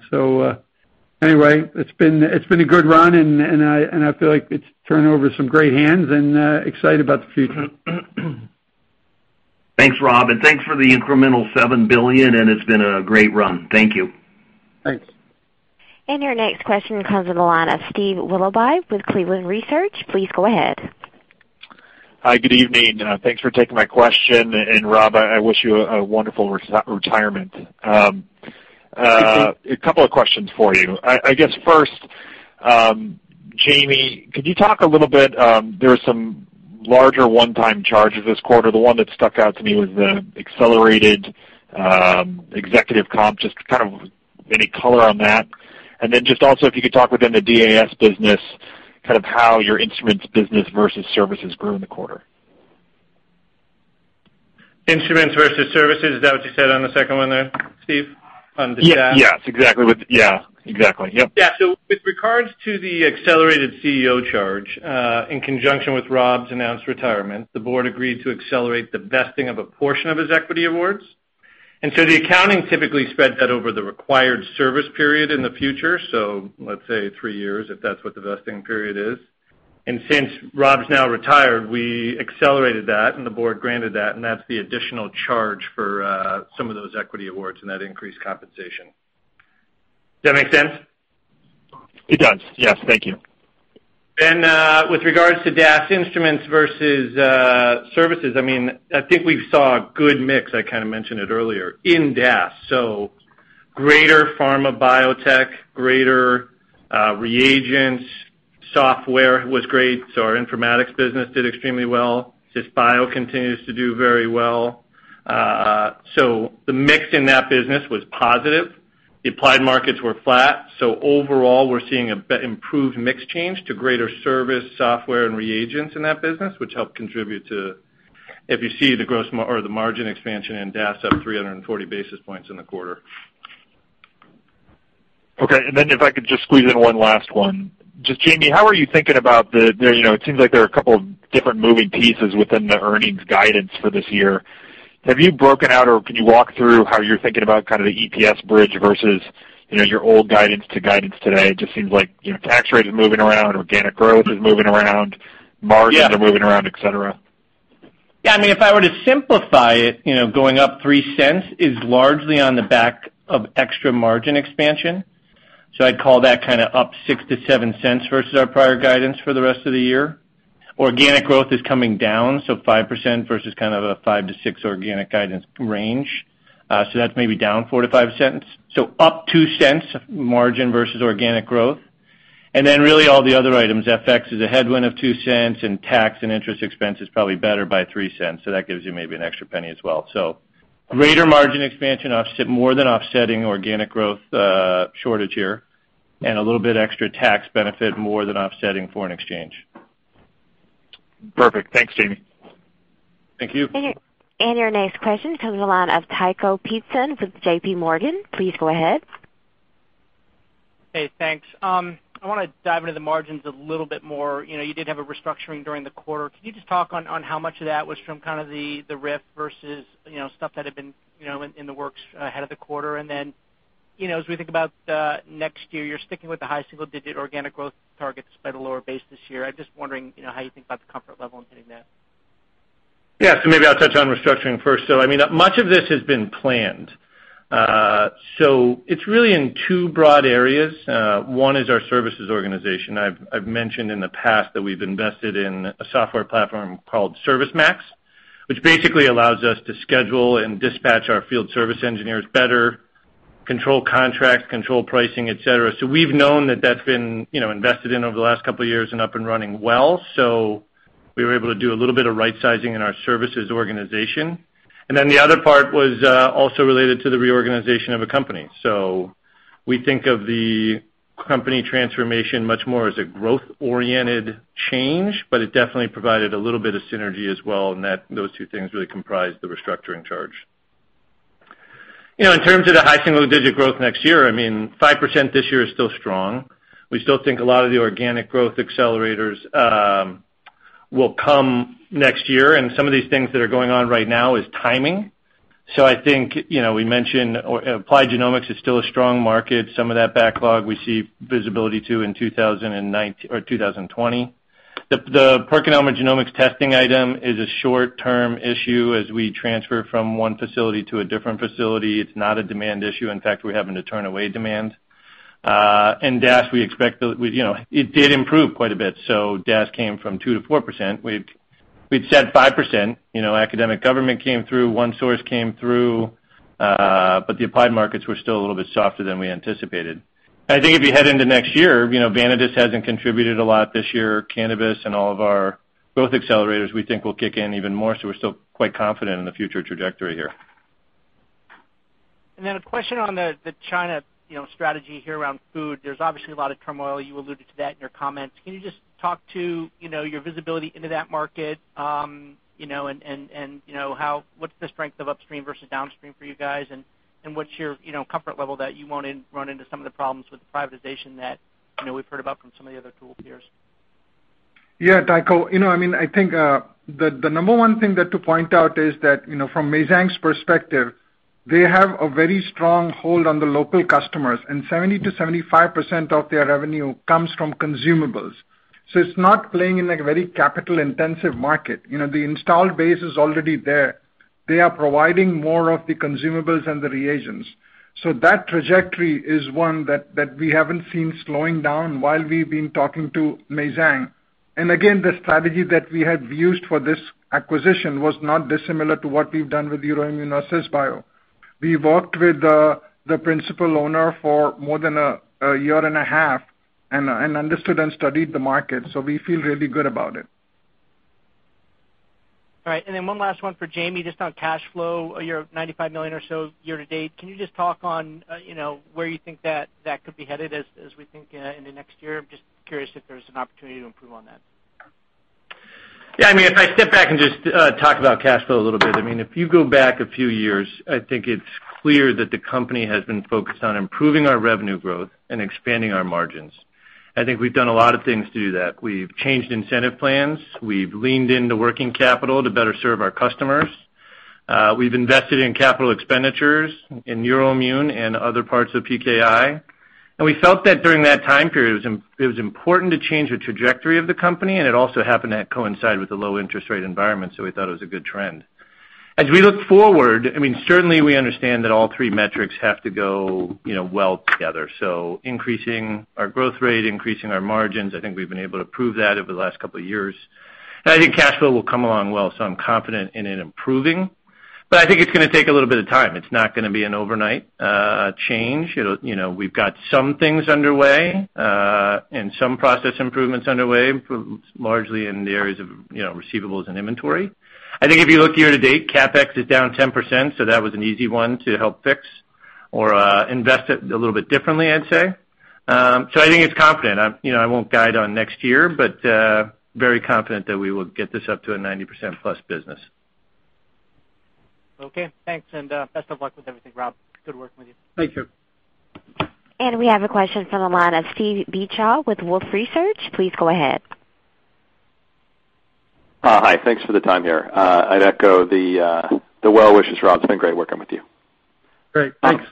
Anyway, it's been a good run, and I feel like it's turned over some great hands and excited about the future. Thanks, Rob, and thanks for the incremental $7 billion, and it's been a great run. Thank you. Thanks. Your next question comes on the line of Steve Willoughby with Cleveland Research. Please go ahead. Hi, good evening. Thanks for taking my question, and Rob, I wish you a wonderful retirement. Thank you, Steve. A couple of questions for you. I guess first, Jamie, could you talk a little bit, there are some larger one-time charges this quarter. The one that stuck out to me was the accelerated executive comp. Just any color on that. Just also, if you could talk within the DAS business, how your instruments business versus services grew in the quarter. Instruments versus services, is that what you said on the second one there, Steve? On the DAS? Yes. Exactly. Yeah. With regards to the accelerated CEO charge, in conjunction with Rob's announced retirement, the board agreed to accelerate the vesting of a portion of his equity awards. The accounting typically spreads that over the required service period in the future, so let's say three years, if that's what the vesting period is. Since Rob's now retired, we accelerated that, and the board granted that, and that's the additional charge for some of those equity awards and that increased compensation. Does that make sense? It does. Yes. Thank you. With regards to DAS instruments versus services, I think we saw a good mix, I kind of mentioned it earlier, in DAS. Greater pharma biotech, greater reagents, software was great. Our informatics business did extremely well. Cisbio continues to do very well. The mix in that business was positive. The applied markets were flat. Overall, we're seeing an improved mix change to greater service, software and reagents in that business, which help contribute to, if you see the margin expansion in DAS up 340 basis points in the quarter. Okay. If I could just squeeze in one last one. Just Jamey, how are you thinking about It seems like there are a couple of different moving pieces within the earnings guidance for this year. Have you broken out, or can you walk through how you're thinking about the EPS bridge versus your old guidance to guidance today? It just seems like tax rate is moving around, organic growth is moving around, margins are moving around, et cetera. If I were to simplify it, going up $0.03 is largely on the back of extra margin expansion. I'd call that up $0.06-$0.07 versus our prior guidance for the rest of the year. Organic growth is coming down, 5% versus a 5%-6% organic guidance range. That's maybe down $0.04-$0.05. Up $0.02 margin versus organic growth. Really all the other items, FX is a headwind of $0.02, and tax and interest expense is probably better by $0.03. That gives you maybe an extra $0.01 as well. Greater margin expansion more than offsetting organic growth shortage here, and a little bit extra tax benefit more than offsetting foreign exchange. Perfect. Thanks, Jamey. Thank you. Your next question comes on the line of Tycho Peterson with J.P. Morgan. Please go ahead. Hey, thanks. I want to dive into the margins a little bit more. You did have a restructuring during the quarter. Can you just talk on how much of that was from the RIF versus stuff that had been in the works ahead of the quarter? As we think about next year, you're sticking with the high single digit organic growth targets despite a lower base this year. I'm just wondering how you think about the comfort level in hitting that. Maybe I'll touch on restructuring first. Much of this has been planned. It's really in two broad areas. One is our services organization. I've mentioned in the past that we've invested in a software platform called ServiceMax, which basically allows us to schedule and dispatch our field service engineers better, control contracts, control pricing, et cetera. We've known that's been invested in over the last couple of years and up and running well. We were able to do a little bit of right-sizing in our services organization. And then the other part was also related to the reorganization of a company. We think of the company transformation much more as a growth-oriented change, but it definitely provided a little bit of synergy as well, and those two things really comprise the restructuring charge. In terms of the high single digit growth next year, 5% this year is still strong. We still think a lot of the organic growth accelerators will come next year, and some of these things that are going on right now is timing. I think we mentioned Applied Genomics is still a strong market. Some of that backlog we see visibility to in 2020. The PerkinElmer genomics testing item is a short-term issue as we transfer from one facility to a different facility. It's not a demand issue. In fact, we're having to turn away demand. In DAS, it did improve quite a bit. DAS came from 2%-4%. We'd said 5%. Academic government came through, OneSource came through. The applied markets were still a little bit softer than we anticipated. I think if you head into next year, Vanadis hasn't contributed a lot this year. Cannabis and all of our growth accelerators we think will kick in even more. We're still quite confident in the future trajectory here. A question on the China strategy here around food. There's obviously a lot of turmoil. You alluded to that in your comments. Can you just talk to your visibility into that market, and what's the strength of upstream versus downstream for you guys, and what's your comfort level that you won't run into some of the problems with privatization that we've heard about from some of the other tool peers? Yeah, Tycho. I think the number 1 thing to point out is that from Meizheng's perspective, they have a very strong hold on the local customers, 70%-75% of their revenue comes from consumables. It's not playing in a very capital-intensive market. The installed base is already there. They are providing more of the consumables and the reagents. That trajectory is one that we haven't seen slowing down while we've been talking to Meizheng. Again, the strategy that we had used for this acquisition was not dissimilar to what we've done with EUROIMMUN Cisbio. We worked with the principal owner for more than a year and a half and understood and studied the market, we feel really good about it. All right. One last one for Jamey, just on cash flow. You're at $95 million or so year to date. Can you just talk on where you think that could be headed as we think into next year? I'm just curious if there's an opportunity to improve on that. Yeah, if I step back and just talk about cash flow a little bit. If you go back a few years, I think it's clear that the company has been focused on improving our revenue growth and expanding our margins. I think we've done a lot of things to do that. We've changed incentive plans. We've leaned into working capital to better serve our customers. We've invested in capital expenditures in EUROIMMUN and other parts of PKI. We felt that during that time period, it was important to change the trajectory of the company, and it also happened to coincide with the low interest rate environment, so we thought it was a good trend. As we look forward, certainly we understand that all three metrics have to go well together. Increasing our growth rate, increasing our margins, I think we've been able to prove that over the last couple of years. I think cash flow will come along well, so I'm confident in it improving. I think it's going to take a little bit of time. It's not going to be an overnight change. We've got some things underway, and some process improvements underway, largely in the areas of receivables and inventory. I think if you look year to date, CapEx is down 10%, so that was an easy one to help fix or invest it a little bit differently, I'd say. I think it's confident. I won't guide on next year, but very confident that we will get this up to a 90%-plus business. Okay, thanks, and best of luck with everything, Rob. Good working with you. Thank you. We have a question from the line of Steve Beuchaw with Wolfe Research. Please go ahead. Hi. Thanks for the time here. I'd echo the well wishes, Rob. It's been great working with you. Great. Thanks.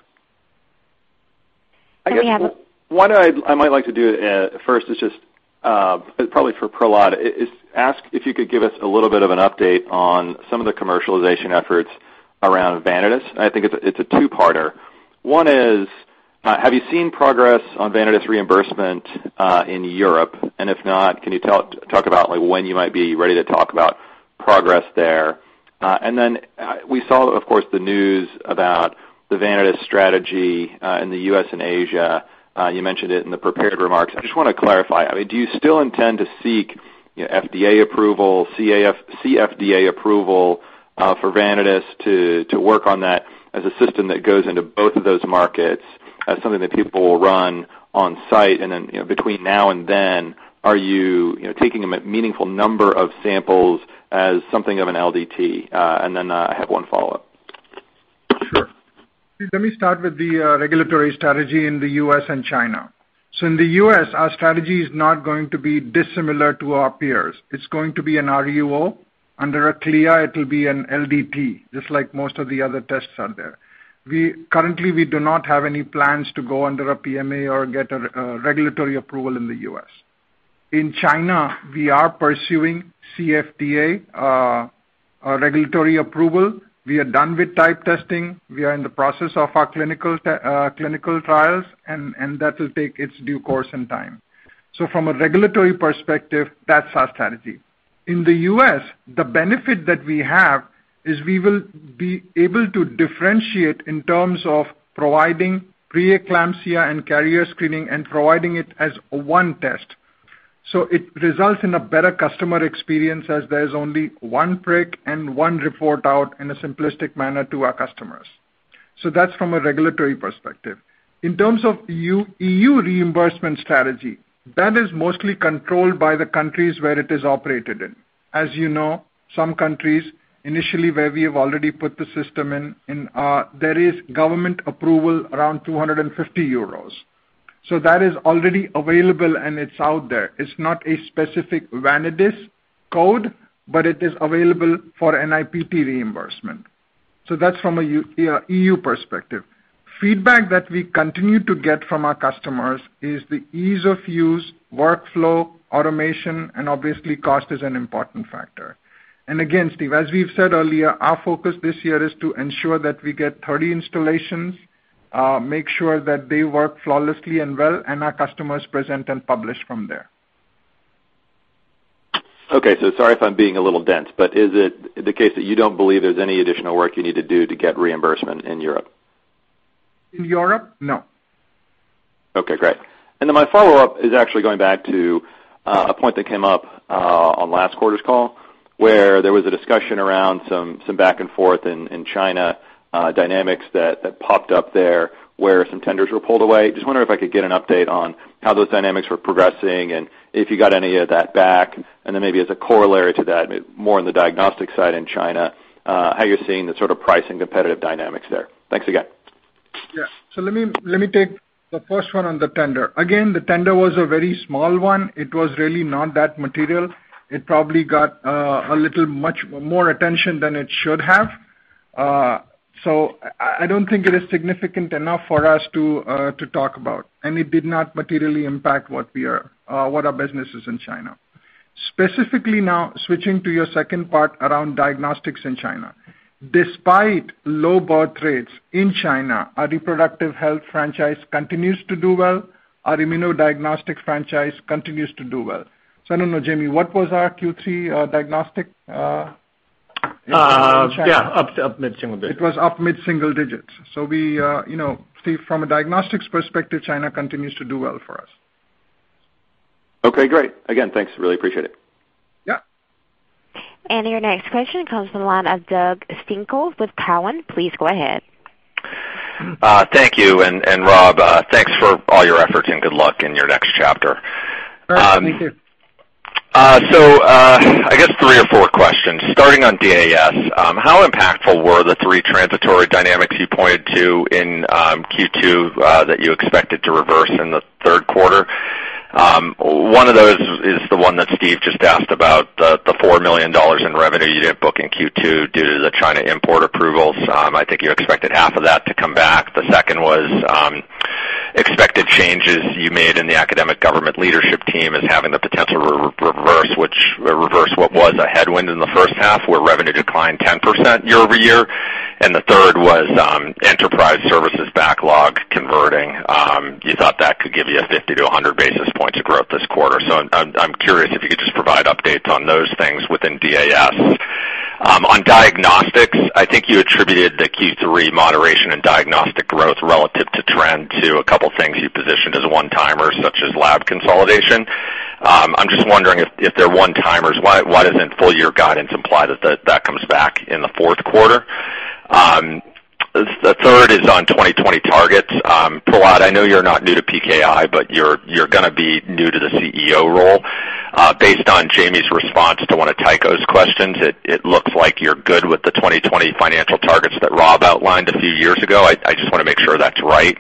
And we have- I guess what I might like to do first is just, probably for Prahlad, is ask if you could give us a little bit of an update on some of the commercialization efforts around Vanadis. I think it's a two-parter. One is, have you seen progress on Vanadis reimbursement in Europe? If not, can you talk about when you might be ready to talk about progress there? Then we saw, of course, the news about the Vanadis strategy in the U.S. and Asia. You mentioned it in the prepared remarks. I just want to clarify, do you still intend to seek FDA approval, CFDA approval for Vanadis to work on that as a system that goes into both of those markets as something that people will run on-site? Then, between now and then, are you taking a meaningful number of samples as something of an LDT? I have one follow-up. Sure. Steve, let me start with the regulatory strategy in the U.S. and China. In the U.S., our strategy is not going to be dissimilar to our peers. It's going to be an RUO. Under CLIA, it will be an LDT, just like most of the other tests out there. Currently, we do not have any plans to go under a PMA or get a regulatory approval in the U.S. In China, we are pursuing CFDA regulatory approval. We are done with type testing. We are in the process of our clinical trials, and that will take its due course and time. From a regulatory perspective, that's our strategy. In the U.S., the benefit that we have is we will be able to differentiate in terms of providing pre-eclampsia and carrier screening and providing it as one test. It results in a better customer experience as there is only one prick and one report out in a simplistic manner to our customers. In terms of EU reimbursement strategy, that is mostly controlled by the countries where it is operated in. As you know, some countries initially where we have already put the system in, there is government approval around €250. That is already available and it's out there. It's not a specific Vanadis code, but it is available for NIPT reimbursement. That's from a EU perspective. Feedback that we continue to get from our customers is the ease of use, workflow, automation, and obviously cost is an important factor. Again, Steve, as we've said earlier, our focus this year is to ensure that we get 30 installations, make sure that they work flawlessly and well, and our customers present and publish from there. Okay. Sorry if I'm being a little dense, but is it the case that you don't believe there's any additional work you need to do to get reimbursement in Europe? In Europe? No. Okay, great. My follow-up is actually going back to a point that came up on last quarter's call, where there was a discussion around some back and forth in China, dynamics that popped up there where some tenders were pulled away. Just wondering if I could get an update on how those dynamics were progressing and if you got any of that back. Maybe as a corollary to that, more on the diagnostic side in China, how you're seeing the sort of pricing competitive dynamics there. Thanks again. Yeah. Let me take the first one on the tender. Again, the tender was a very small one. It was really not that material. It probably got a little much more attention than it should have. I don't think it is significant enough for us to talk about. It did not materially impact what our business is in China. Specifically now, switching to your second part around diagnostics in China. Despite low birth rates in China, our reproductive health franchise continues to do well. Our immunodiagnostic franchise continues to do well. I don't know, Jamey, what was our Q3 diagnostic in China? Yeah. Up mid-single digits. It was up mid-single digits. Steve, from a diagnostics perspective, China continues to do well for us. Okay, great. Again, thanks. Really appreciate it. Yeah. Your next question comes from the line of Doug Schenkel with Cowen. Please go ahead. Thank you. Rob, thanks for all your efforts, and good luck in your next chapter. All right. Thank you. I guess three or four questions. Starting on DAS, how impactful were the three transitory dynamics you pointed to in Q2 that you expected to reverse in the third quarter? One of those is the one that Steve just asked about, the $4 million in revenue you didn't book in Q2 due to the China import approvals. I think you expected half of that to come back. The second was expected changes you made in the academic government leadership team as having the potential reverse what was a headwind in the first half, where revenue declined 10% year-over-year. The third was enterprise services backlog converting. You thought that could give you a 50 to 100 basis points of growth this quarter. I'm curious if you could just provide updates on those things within DAS. On diagnostics, I think you attributed the Q3 moderation in diagnostic growth relative to trend to a couple of things you positioned as a one-timer, such as lab consolidation. I'm just wondering if they're one-timers, why doesn't full-year guidance imply that that comes back in the fourth quarter? The third is on 2020 targets. Prahlad, I know you're not new to PKI, but you're going to be new to the CEO role. Based on Jamey's response to one of Tycho's questions, it looks like you're good with the 2020 financial targets that Rob outlined a few years ago. I just want to make sure that's right.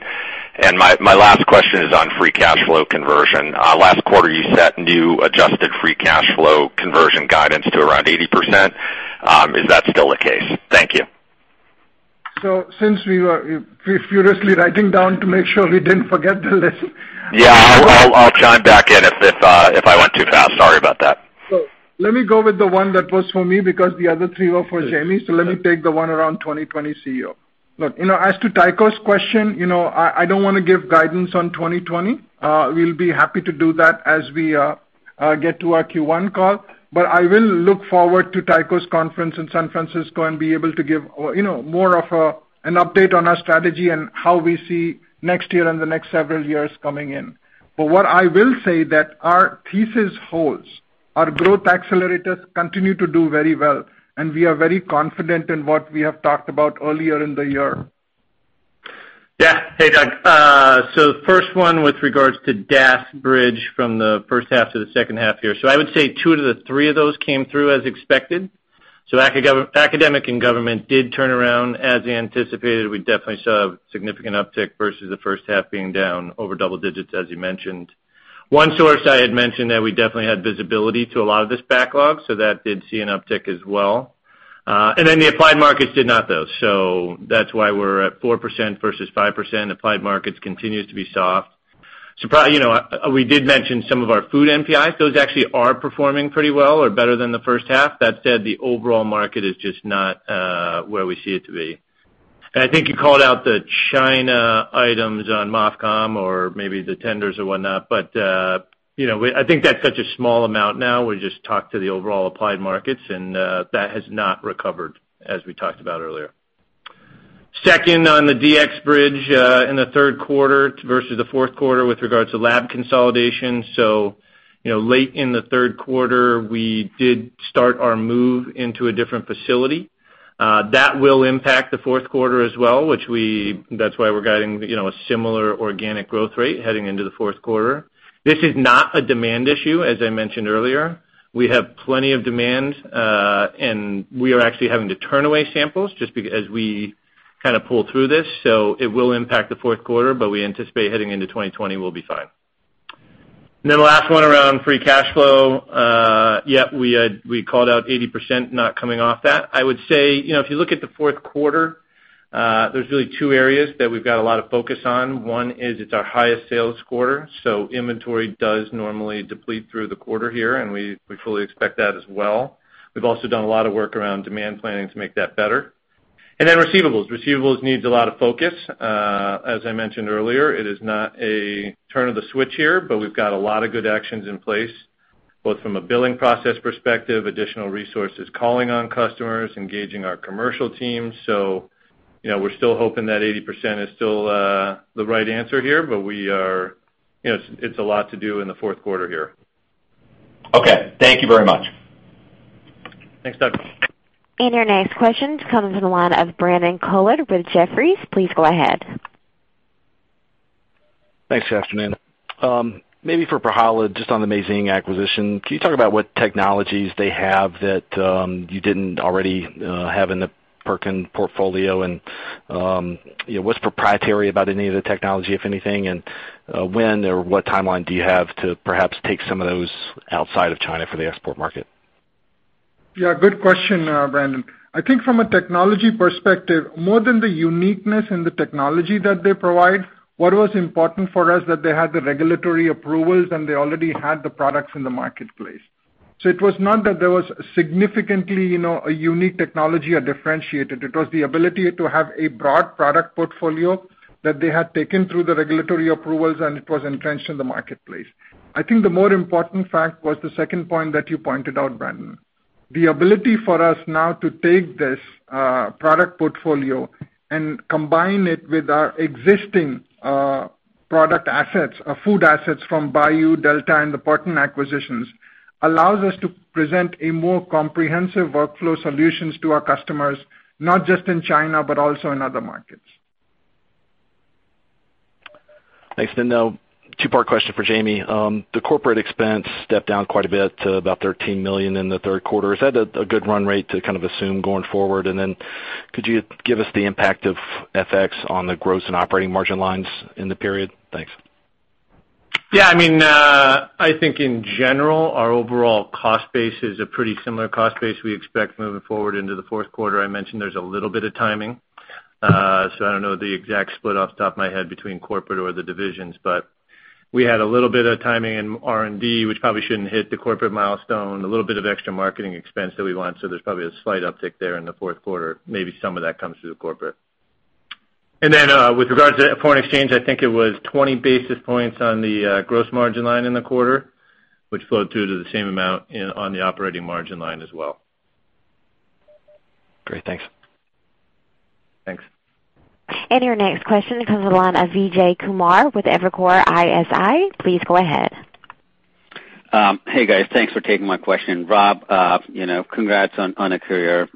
My last question is on free cash flow conversion. Last quarter, you set new adjusted free cash flow conversion guidance to around 80%. Is that still the case? Thank you. Since we were furiously writing down to make sure we didn't forget the list. Yeah, I'll chime back in if I went too fast. Sorry about that. Let me go with the one that was for me, because the other three were for Jamey. Let me take the one around 2020 CEO. Look, as to Tycho's question, I don't want to give guidance on 2020. We'll be happy to do that as we get to our Q1 call. I will look forward to Tycho's conference in San Francisco and be able to give more of an update on our strategy and how we see next year and the next several years coming in. What I will say that our thesis holds. Our growth accelerators continue to do very well, and we are very confident in what we have talked about earlier in the year. Yeah. Hey, Doug. The first one with regards to DAS bridge from the first half to the second half here. I would say two to the three of those came through as expected. We definitely saw a significant uptick versus the first half being down over double digits, as you mentioned. OneSource I had mentioned that we definitely had visibility to a lot of this backlog, so that did see an uptick as well. The applied markets did not, though. That's why we're at 4% versus 5%. Applied markets continues to be soft. We did mention some of our food NPIs. Those actually are performing pretty well, or better than the first half. That said, the overall market is just not where we see it to be. I think you called out the China items on MOFCOM or maybe the tenders or whatnot, but I think that's such a small amount now. We just talked to the overall applied markets, and that has not recovered as we talked about earlier. Second, on the DX bridge in the third quarter versus the fourth quarter with regards to lab consolidation. Late in the third quarter, we did start our move into a different facility. That will impact the fourth quarter as well, that's why we're guiding a similar organic growth rate heading into the fourth quarter. This is not a demand issue, as I mentioned earlier. We have plenty of demand, and we are actually having to turn away samples as we pull through this. It will impact the fourth quarter, but we anticipate heading into 2020, we'll be fine. The last one around free cash flow. Yeah, we called out 80% not coming off that. I would say, if you look at the fourth quarter, there's really two areas that we've got a lot of focus on. One is it's our highest sales quarter, so inventory does normally deplete through the quarter here, and we fully expect that as well. We've also done a lot of work around demand planning to make that better. Receivables. Receivables needs a lot of focus. As I mentioned earlier, it is not a turn of the switch here, but we've got a lot of good actions in place, both from a billing process perspective, additional resources, calling on customers, engaging our commercial teams. We're still hoping that 80% is still the right answer here, but it's a lot to do in the fourth quarter here. Okay. Thank you very much. Thanks, Doug. Your next question comes from the line of Brandon Couillard with Jefferies. Please go ahead. Thanks. Yes, man. Maybe for Prahlad, just on the Meizheng acquisition, can you talk about what technologies they have that you didn't already have in the Perkin portfolio? And what's proprietary about any of the technology, if anything? And when or what timeline do you have to perhaps take some of those outside of China for the export market? Yeah, good question, Brandon. I think from a technology perspective, more than the uniqueness in the technology that they provide, what was important for us that they had the regulatory approvals, and they already had the products in the marketplace. It was not that there was significantly a unique technology or differentiated. It was the ability to have a broad product portfolio that they had taken through the regulatory approvals, and it was entrenched in the marketplace. I think the more important fact was the second point that you pointed out, Brandon. The ability for us now to take this product portfolio and combine it with our existing product assets, our food assets from Bioo, Delta, and the Perten acquisitions, allows us to present a more comprehensive workflow solutions to our customers, not just in China, but also in other markets. Thanks. Now, two-part question for Jamey. The corporate expense stepped down quite a bit to about $13 million in the third quarter. Is that a good run rate to kind of assume going forward? Then could you give us the impact of FX on the gross and operating margin lines in the period? Thanks. I think in general, our overall cost base is a pretty similar cost base we expect moving forward into the fourth quarter. I mentioned there's a little bit of timing. I don't know the exact split off the top of my head between corporate or the divisions, but we had a little bit of timing in R&D, which probably shouldn't hit the corporate milestone. A little bit of extra marketing expense that we want, there's probably a slight uptick there in the fourth quarter. Maybe some of that comes through the corporate. With regards to foreign exchange, I think it was 20 basis points on the gross margin line in the quarter, which flowed through to the same amount on the operating margin line as well. Great. Thanks. Thanks. Your next question comes on the line of Vijay Kumar with Evercore ISI. Please go ahead. Hey, guys. Thanks for taking my question. Rob, congrats on a career.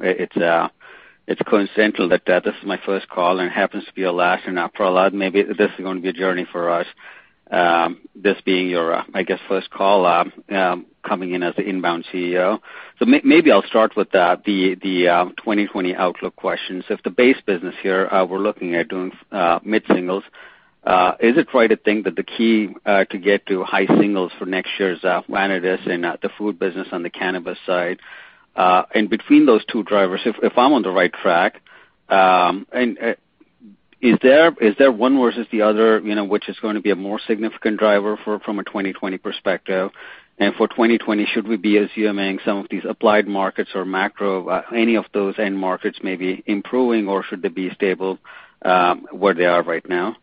It's coincidental that this is my first call and happens to be your last. Prahlad, maybe this is going to be a journey for us, this being your, I guess, first call, coming in as the inbound CEO. Maybe I'll start with the 2020 outlook questions. If the base business here, we're looking at doing mid-singles, is it right to think that the key to get to high singles for next year is Vanadis and the food business on the cannabis side? Between those two drivers, if I'm on the right track, is there one versus the other which is going to be a more significant driver from a 2020 perspective? For 2020, should we be assuming some of these applied markets or macro, any of those end markets may be improving, or should they be stable where they are right now?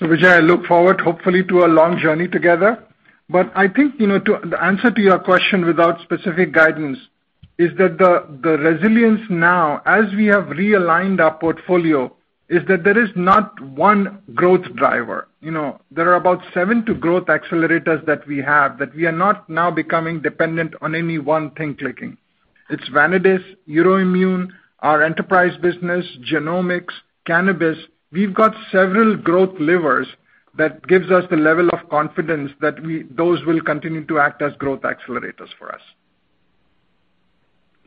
Vijay, I look forward hopefully to a long journey together. I think, to answer to your question without specific guidance is that the resilience now, as we have realigned our portfolio, is that there is not one growth driver. There are about seven to growth accelerators that we have, that we are not now becoming dependent on any one thing clicking. It's Vanadis, EUROIMMUN, our enterprise business, genomics, cannabis. We've got several growth levers that gives us the level of confidence that those will continue to act as growth accelerators for us.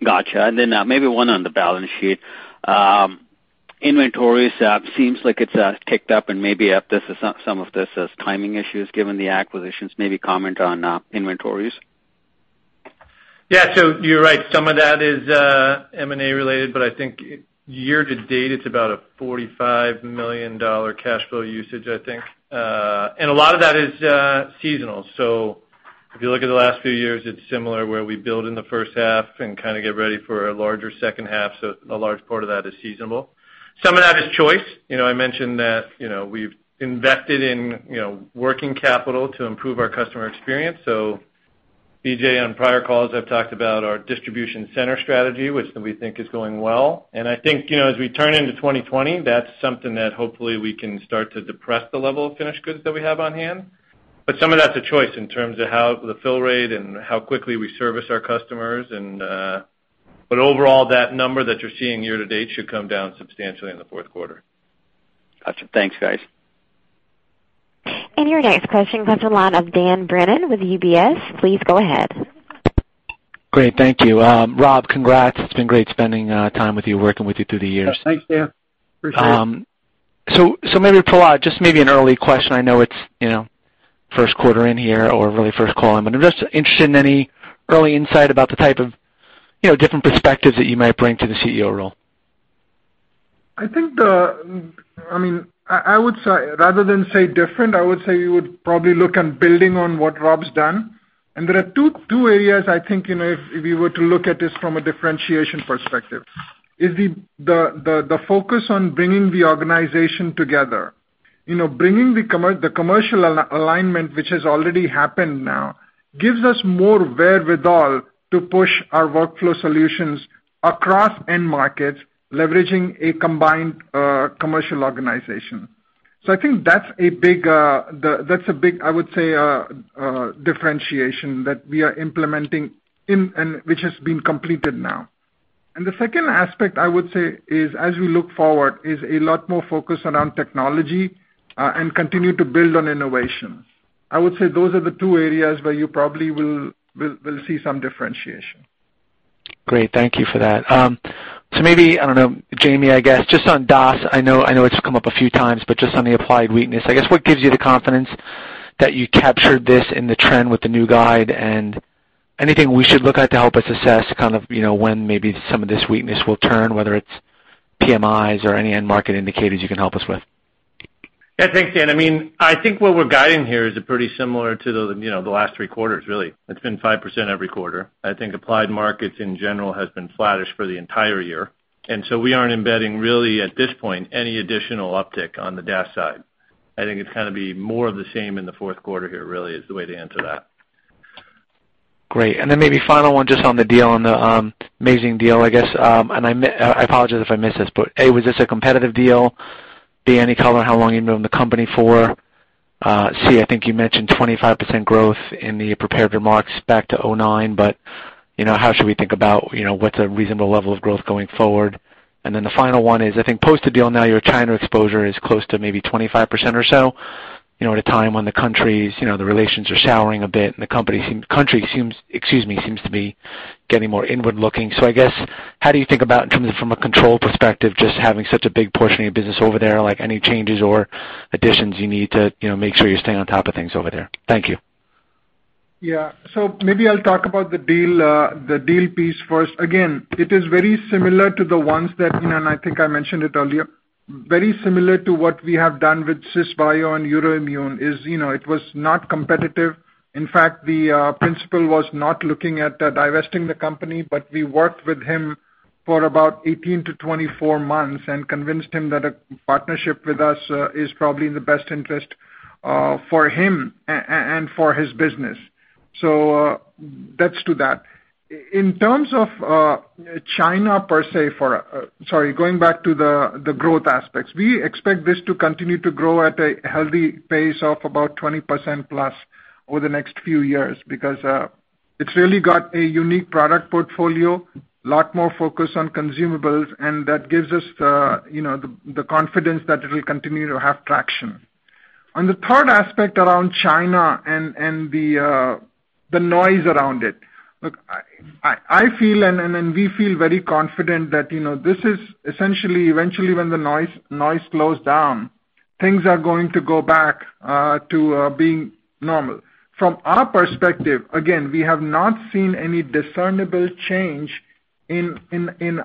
Got you. Maybe one on the balance sheet. Inventories, seems like it's ticked up and maybe some of this is timing issues given the acquisitions. Maybe comment on inventories. Yeah. You're right, some of that is M&A related, but I think year to date, it's about a $45 million cash flow usage, I think. A lot of that is seasonal. If you look at the last few years, it's similar where we build in the first half and kind of get ready for a larger second half. A large part of that is seasonal. Some of that is choice. I mentioned that we've invested in working capital to improve our customer experience. Vijay, on prior calls, I've talked about our distribution center strategy, which we think is going well. I think, as we turn into 2020, that's something that hopefully we can start to depress the level of finished goods that we have on hand. Some of that's a choice in terms of how the fill rate and how quickly we service our customers. Overall, that number that you're seeing year to date should come down substantially in the fourth quarter. Got you. Thanks, guys. Your next question comes on the line of Dan Brennan with UBS. Please go ahead. Great. Thank you. Rob, congrats. It's been great spending time with you, working with you through the years. Thanks, Dan. Appreciate it. Maybe Prahlad, just maybe an early question. I know it's first quarter in here or really first call, I'm just interested in any early insight about the type of different perspectives that you might bring to the CEO role. I would say, rather than say different, I would say we would probably look on building on what Rob's done. There are two areas I think, if we were to look at this from a differentiation perspective, is the focus on bringing the organization together. Bringing the commercial alignment, which has already happened now, gives us more wherewithal to push our workflow solutions across end markets, leveraging a combined commercial organization. I think that's a big, I would say, differentiation that we are implementing and which has been completed now. The second aspect I would say is, as we look forward, is a lot more focus around technology and continue to build on innovation. I would say those are the two areas where you probably will see some differentiation. Great. Thank you for that. Maybe, I don't know, Jamey, I guess, just on DAS, I know it's come up a few times, but just on the applied weakness, I guess what gives you the confidence that you captured this in the trend with the new guide and anything we should look at to help us assess kind of when maybe some of this weakness will turn, whether it's PMIs or any end market indicators you can help us with? Yeah, thanks, Dan. I think what we're guiding here is pretty similar to the last three quarters, really. It's been 5% every quarter. I think applied markets in general has been flattish for the entire year. We aren't embedding really, at this point, any additional uptick on the DAS side. I think it's going to be more of the same in the fourth quarter here, really, is the way to answer that. Great. Then maybe final one just on the deal, on the Meizheng deal, I guess. I apologize if I missed this, but A, was this a competitive deal? B, any color on how long you've known the company for? C, I think you mentioned 25% growth in the prepared remarks back to 2009, but how should we think about what's a reasonable level of growth going forward? Then the final one is, I think post the deal now, your China exposure is close to maybe 25% or so, at a time when the relations are souring a bit, and the country seems to be getting more inward-looking. I guess, how do you think about in terms of from a control perspective, just having such a big portion of your business over there, like any changes or additions you need to make sure you're staying on top of things over there? Thank you. Yeah. Maybe I'll talk about the deal piece first. Again, it is very similar to the ones that, and I think I mentioned it earlier, very similar to what we have done with Cisbio and EUROIMMUN is it was not competitive. In fact, the principal was not looking at divesting the company, we worked with him for about 18-24 months and convinced him that a partnership with us is probably in the best interest for him and for his business. That's to that. In terms of China per se for Sorry, going back to the growth aspects. We expect this to continue to grow at a healthy pace of about 20%+ over the next few years, because it's really got a unique product portfolio, lot more focus on consumables, and that gives us the confidence that it will continue to have traction. On the third aspect around China and the noise around it. Look, I feel and we feel very confident that this is essentially, eventually when the noise slows down, things are going to go back to being normal. From our perspective, again, we have not seen any discernible change in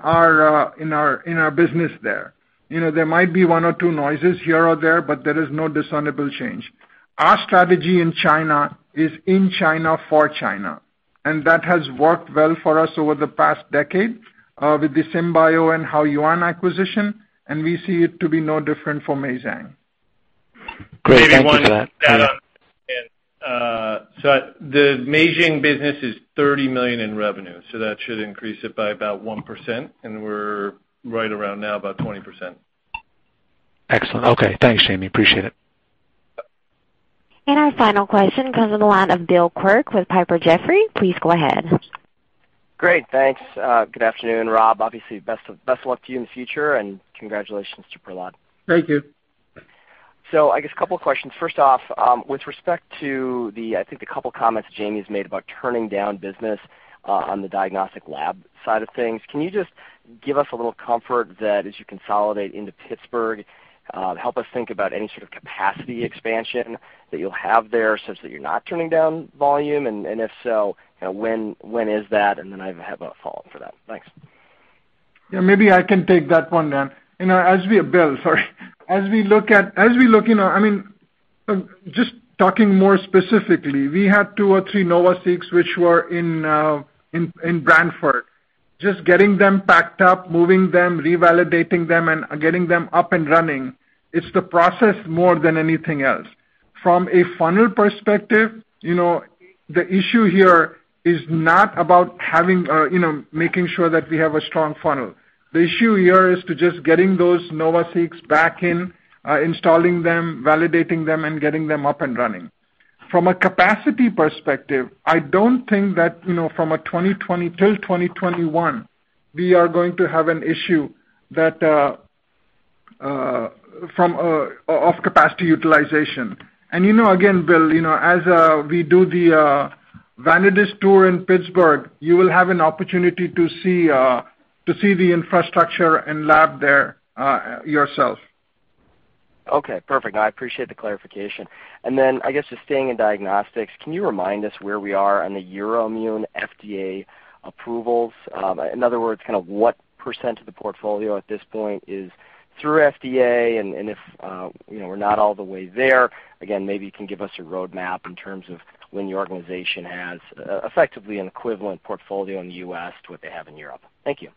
our business there. There might be one or two noises here or there, but there is no discernible change. Our strategy in China is in China for China, and that has worked well for us over the past decade, with the Cisbio and Haoyuan acquisition, and we see it to be no different for Meizheng. Great. Thank you for that. Maybe one stat on that, Dan. The Meizheng business is $30 million in revenue, so that should increase it by about 1%, and we're right around now about 20%. Excellent. Okay. Thanks, Jamey. Appreciate it. Our final question comes on the line of William Quirk with Piper Jaffray. Please go ahead. Great. Thanks. Good afternoon, Rob. Obviously, best of luck to you in the future, and congratulations to Prahlad. Thank you. I guess a couple of questions. First off, with respect to the, I think the couple of comments Jamey's made about turning down business on the diagnostic lab side of things, can you just give us a little comfort that as you consolidate into Pittsburgh, help us think about any sort of capacity expansion that you'll have there such that you're not turning down volume? If so, when is that? Then I have a follow-up for that. Thanks. Yeah. Maybe I can take that one, Dan. Bill, sorry. Just talking more specifically, we had two or three NovaSeq's which were in Branford. Just getting them packed up, moving them, revalidating them, and getting them up and running, it's the process more than anything else. From a funnel perspective, the issue here is not about making sure that we have a strong funnel. The issue here is to just getting those NovaSeq's back in, installing them, validating them, and getting them up and running. From a capacity perspective, I don't think that from till 2021, we are going to have an issue of capacity utilization. Again, Bill, as we do the Vanadis tour in Pittsburgh, you will have an opportunity to see the infrastructure and lab there yourself. Okay, perfect. I appreciate the clarification. Then I guess just staying in diagnostics, can you remind us where we are on the EUROIMMUN FDA approvals? In other words, kind of what % of the portfolio at this point is through FDA, and if we're not all the way there, again, maybe you can give us a roadmap in terms of when your organization has effectively an equivalent portfolio in the U.S. to what they have in Europe. Thank you.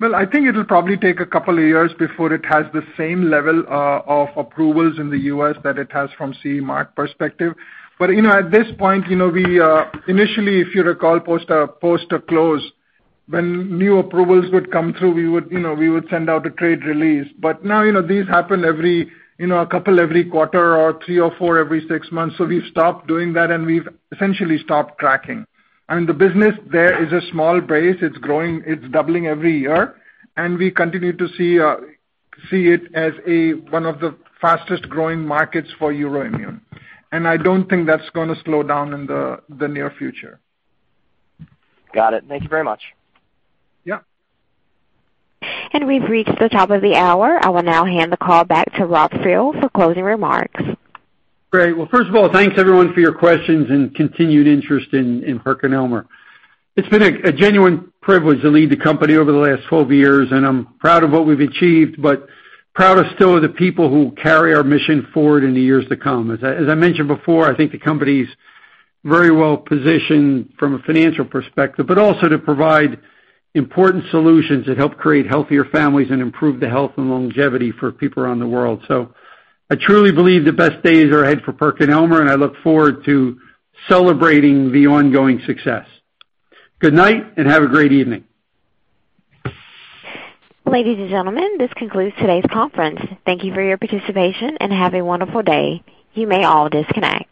Yeah. Bill, I think it'll probably take a couple of years before it has the same level of approvals in the U.S. that it has from CE mark perspective. At this point, initially, if you recall post the close, when new approvals would come through, we would send out a trade release. Now these happen every quarter or three or four every six months. We've stopped doing that, and we've essentially stopped tracking. The business there is a small base. It's growing. It's doubling every year, and we continue to see it as one of the fastest-growing markets for EUROIMMUN. I don't think that's going to slow down in the near future. Got it. Thank you very much. Yeah. We've reached the top of the hour. I will now hand the call back to Robert Friel for closing remarks. Great. Well, first of all, thanks everyone for your questions and continued interest in PerkinElmer. It's been a genuine privilege to lead the company over the last 12 years, and I'm proud of what we've achieved, but proudest still of the people who carry our mission forward in the years to come. As I mentioned before, I think the company's very well-positioned from a financial perspective, but also to provide important solutions that help create healthier families and improve the health and longevity for people around the world. I truly believe the best days are ahead for PerkinElmer, and I look forward to celebrating the ongoing success. Good night, and have a great evening. Ladies and gentlemen, this concludes today's conference. Thank you for your participation, and have a wonderful day. You may all disconnect.